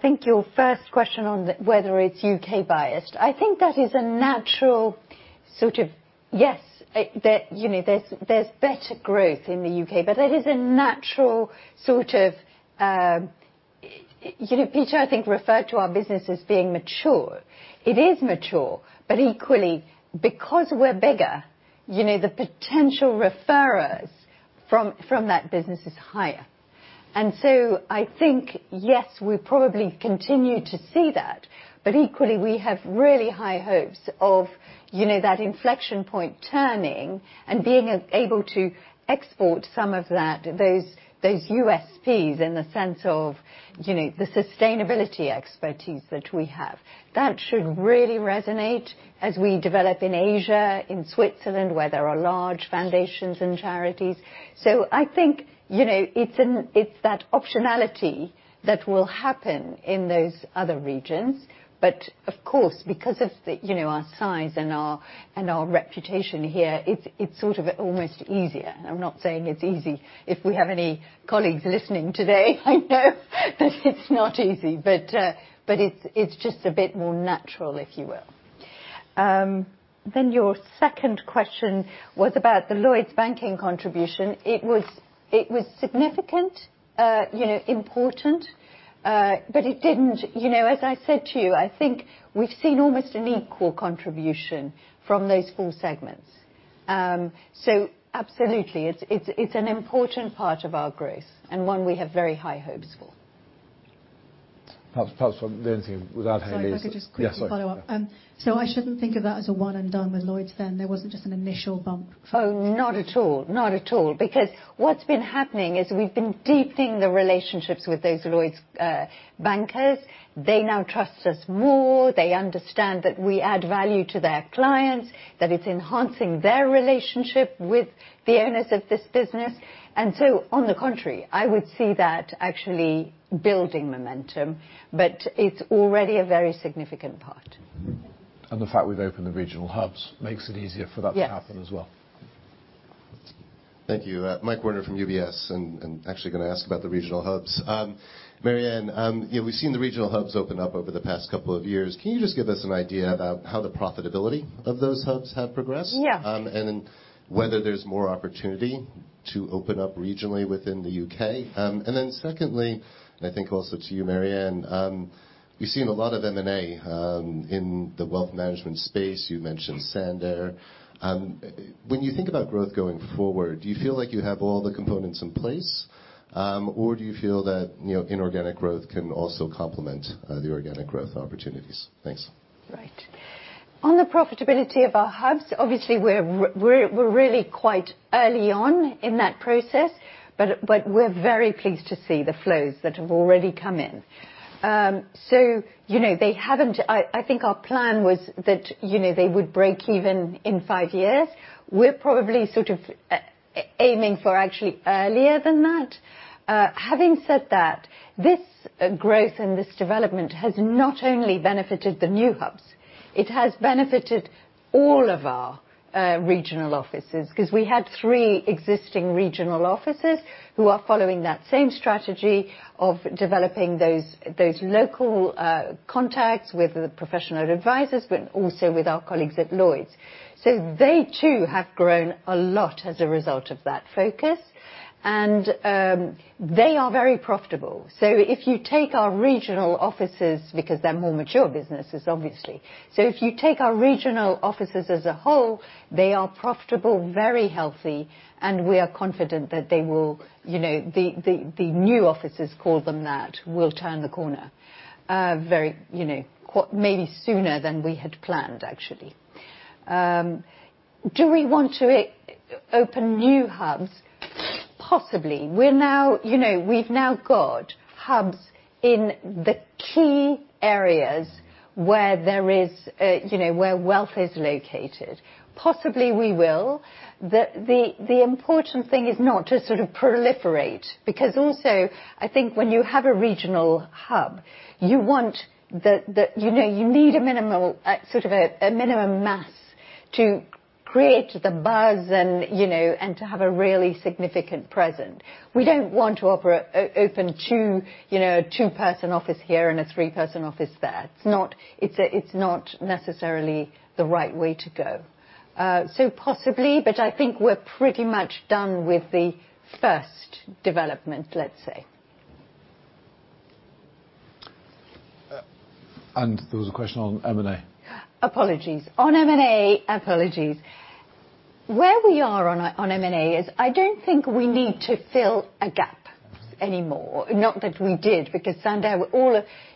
Speaker 2: think your first question on whether it's U.K. biased, I think that is a natural sort of... Yes, you know, there's better growth in the U.K., but it is a natural sort of, you know, Peter, I think, referred to our business as being mature. It is mature, but equally, because we're bigger, you know, the potential referrers from that business is higher. I think, yes, we probably continue to see that, but equally, we have really high hopes of, you know, that inflection point turning and being able to export some of that, those USPs in the sense of, you know, the sustainability expertise that we have. That should really resonate as we develop in Asia, in Switzerland, where there are large foundations and charities. I think, you know, it's that optionality that will happen in those other regions. Of course, because of the, you know, our size and our, and our reputation here, it's sort of almost easier. I'm not saying it's easy. If we have any colleagues listening today, I know that it's not easy, but it's just a bit more natural, if you will. Your second question was about the Lloyds Banking contribution. It was significant, you know, important. You know, as I said to you, I think we've seen almost an equal contribution from those four segments. Absolutely, it's, it's an important part of our growth, and one we have very high hopes for.
Speaker 1: Perhaps from Lindsay, without Haley.
Speaker 10: Sorry, if I could just quickly follow up.
Speaker 1: Yes, sorry.
Speaker 10: I shouldn't think of that as a one and done with Lloyds, then? There wasn't just an initial bump.
Speaker 2: Oh, not at all. Not at all. What's been happening is we've been deepening the relationships with those Lloyds bankers. They now trust us more, they understand that we add value to their clients, that it's enhancing their relationship with the owners of this business. On the contrary, I would see that actually building momentum, but it's already a very significant part.
Speaker 1: Mm-hmm. The fact we've opened the regional hubs makes it easier for that to happen as well.
Speaker 2: Yes.
Speaker 11: Thank you. Mike Warner from UBS, and actually gonna ask about the regional hubs. Mary-Anne, you know, we've seen the regional hubs open up over the past couple of years. Can you just give us an idea about how the profitability of those hubs have progressed?
Speaker 2: Yeah.
Speaker 11: Whether there's more opportunity to open up regionally within the U.K. Secondly, and I think also to you, Mary-Anne, we've seen a lot of M&A in the wealth management space. You mentioned Sandaire. When you think about growth going forward, do you feel like you have all the components in place, or do you feel that, you know, inorganic growth can also complement the organic growth opportunities? Thanks.
Speaker 2: Right. On the profitability of our hubs, obviously, we're really quite early on in that process, but we're very pleased to see the flows that have already come in. You know, they haven't. I think our plan was that, you know, they would break even in five years. We're probably sort of aiming for actually earlier than that. Having said that, this growth and this development has not only benefited the new hubs, it has benefited all of our regional offices. 'Cause we had three existing regional offices who are following that same strategy of developing those local contacts with the professional advisors, but also with our colleagues at Lloyds. They, too, have grown a lot as a result of that focus, and they are very profitable. If you take our regional offices, because they're more mature businesses, obviously. If you take our regional offices as a whole, they are profitable, very healthy, and we are confident that they will, you know, the new offices, call them that, will turn the corner, very, you know, quite maybe sooner than we had planned, actually. Do we want to open new hubs? Possibly. We're now, you know, we've now got hubs in the key areas where there is, you know, where wealth is located. Possibly, we will. The important thing is not to sort of proliferate, because also, I think when you have a regional hub, you want the, you know, you need a minimal, sort of a minimum mass to create the buzz and, you know, and to have a really significant presence. We don't want to open two, you know, two-person office here and a three-person office there. It's not, it's not necessarily the right way to go. Possibly, but I think we're pretty much done with the first development, let's say.
Speaker 1: There was a question on M&A.
Speaker 2: Apologies. On M&A, apologies. Where we are on M&A is, I don't think we need to fill a gap anymore. Not that we did, because Sandaire,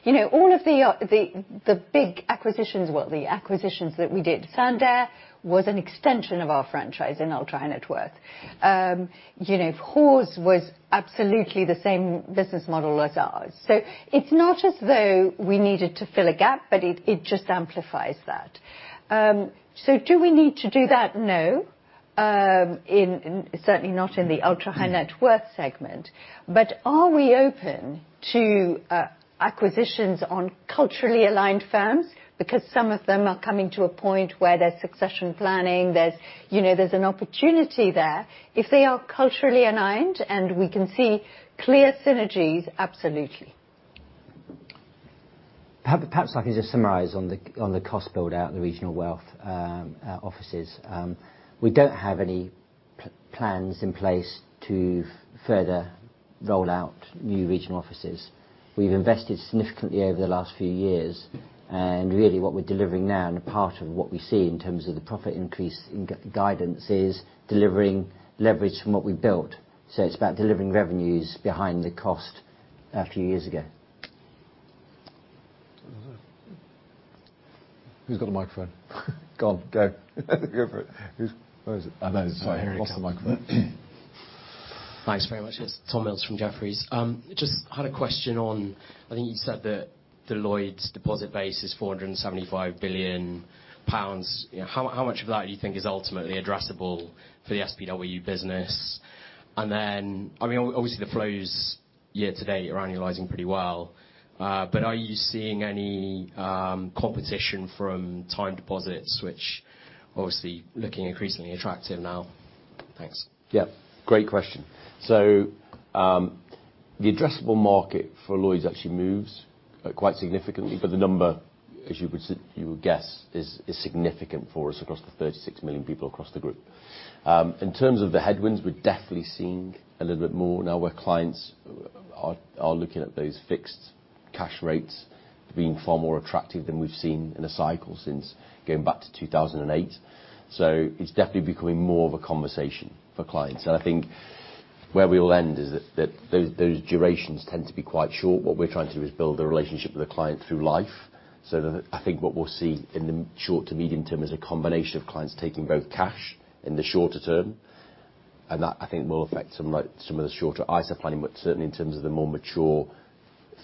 Speaker 2: you know, all of the big acquisitions, well, the acquisitions that we did, Sandaire was an extension of our franchise in ultra net worth. You know, Hawes was absolutely the same business model as ours. It's not as though we needed to fill a gap, but it just amplifies that. Do we need to do that? No, certainly not in the ultra high net worth segment. Are we open to acquisitions on culturally aligned firms? Some of them are coming to a point where there's succession planning, there's, you know, there's an opportunity there. If they are culturally aligned and we can see clear synergies, absolutely.
Speaker 1: Perhaps I can just summarize on the cost build-out in the regional wealth offices. We don't have any plans in place to further roll out new regional offices. We've invested significantly over the last few years, and really, what we're delivering now, and a part of what we see in terms of the profit increase in guidance, is delivering leverage from what we built. It's about delivering revenues behind the cost a few years ago. Who's got a microphone? Go on, go. Go for it. Where is it? I know, it's right here. What's the microphone?
Speaker 12: Thanks very much. It's Tom Mills from Jefferies. Just had a question on, I think you said that the Lloyds deposit base is 475 billion pounds. How much of that do you think is ultimately addressable for the SPW business? I mean, obviously, the flows year-to-date are annualizing pretty well, but are you seeing any competition from time deposits, which obviously looking increasingly attractive now? Thanks.
Speaker 1: Yeah, great question. the addressable market for Lloyds actually moves quite significantly, but the number, as you would guess, is significant for us across the 36 million people across the group. In terms of the headwinds, we're definitely seeing a little bit more now where clients are looking at those fixed cash rates being far more attractive than we've seen in a cycle since going back to 2008. It's definitely becoming more of a conversation for clients. I think where we will end is that those durations tend to be quite short. What we're trying to do is build a relationship with a client through life. I think what we'll see in the short to medium term is a combination of clients taking both cash in the shorter term, and that, I think, will affect some of the shorter ISA planning. Certainly, in terms of the more mature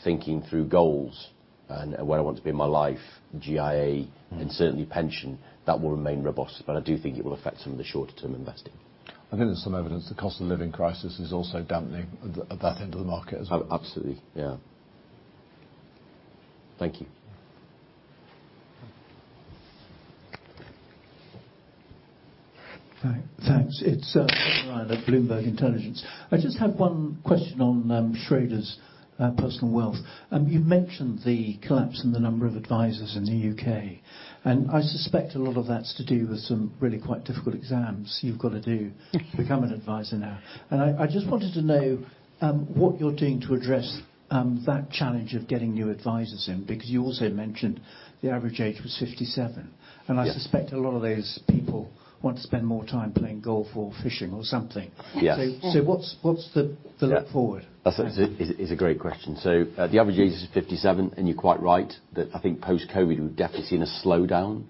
Speaker 1: thinking through goals and where I want to be in my life, GIA, and certainly pension, that will remain robust. I do think it will affect some of the shorter term investing. I think there's some evidence the cost of living crisis is also dampening at that end of the market as well.
Speaker 4: Absolutely. Yeah. Thank you.
Speaker 13: Thanks. It's Ryan at Bloomberg Intelligence. I just have one question on Schroders Personal Wealth. You mentioned the collapse in the number of advisors in the U.K., and I suspect a lot of that's to do with some really quite difficult exams you've got to do to become an advisor now. I just wanted to know what you're doing to address that challenge of getting new advisors in, because you also mentioned the average age was 57.
Speaker 4: Yeah.
Speaker 13: I suspect a lot of those people want to spend more time playing golf or fishing or something.
Speaker 4: Yes.
Speaker 13: What's?
Speaker 4: Yeah
Speaker 13: the look forward?
Speaker 4: That's a great question. The average age is 57, and you're quite right that I think post-COVID, we've definitely seen a slowdown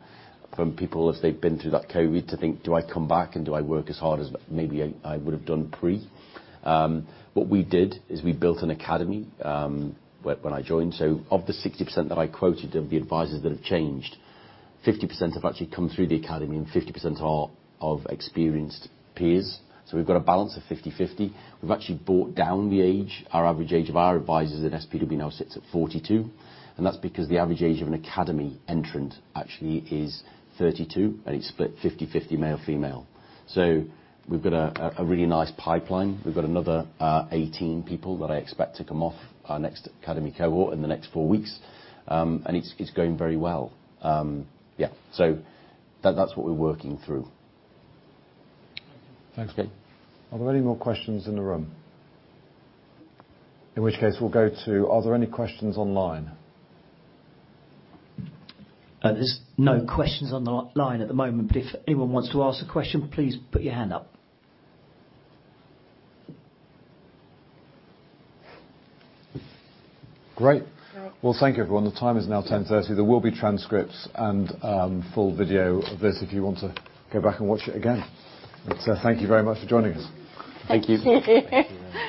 Speaker 4: from people as they've been through that COVID, to think, "Do I come back, and do I work as hard as maybe I would have done pre?" What we did is we built an academy when I joined. Of the 60% that I quoted, of the advisors that have changed, 50% have actually come through the academy, and 50% are of experienced peers. We've got a balance of 50/50. We've actually brought down the age. Our average age of our advisors at SPW now sits at 42, and that's because the average age of an academy entrant actually is 32, and it's split 50/50 male, female. We've got a really nice pipeline. We've got another 18 people that I expect to come off our next academy cohort in the next 4 weeks. It's going very well. Yeah. That's what we're working through.
Speaker 13: Thank you.
Speaker 1: Thanks. Are there any more questions in the room? Are there any questions online?
Speaker 14: There's no questions on the line at the moment, but if anyone wants to ask a question, please put your hand up.
Speaker 1: Great! Well, thank you, everyone. The time is now 10:30 A.M. There will be transcripts and full video of this if you want to go back and watch it again. Thank you very much for joining us.
Speaker 4: Thank you.
Speaker 10: Thank you.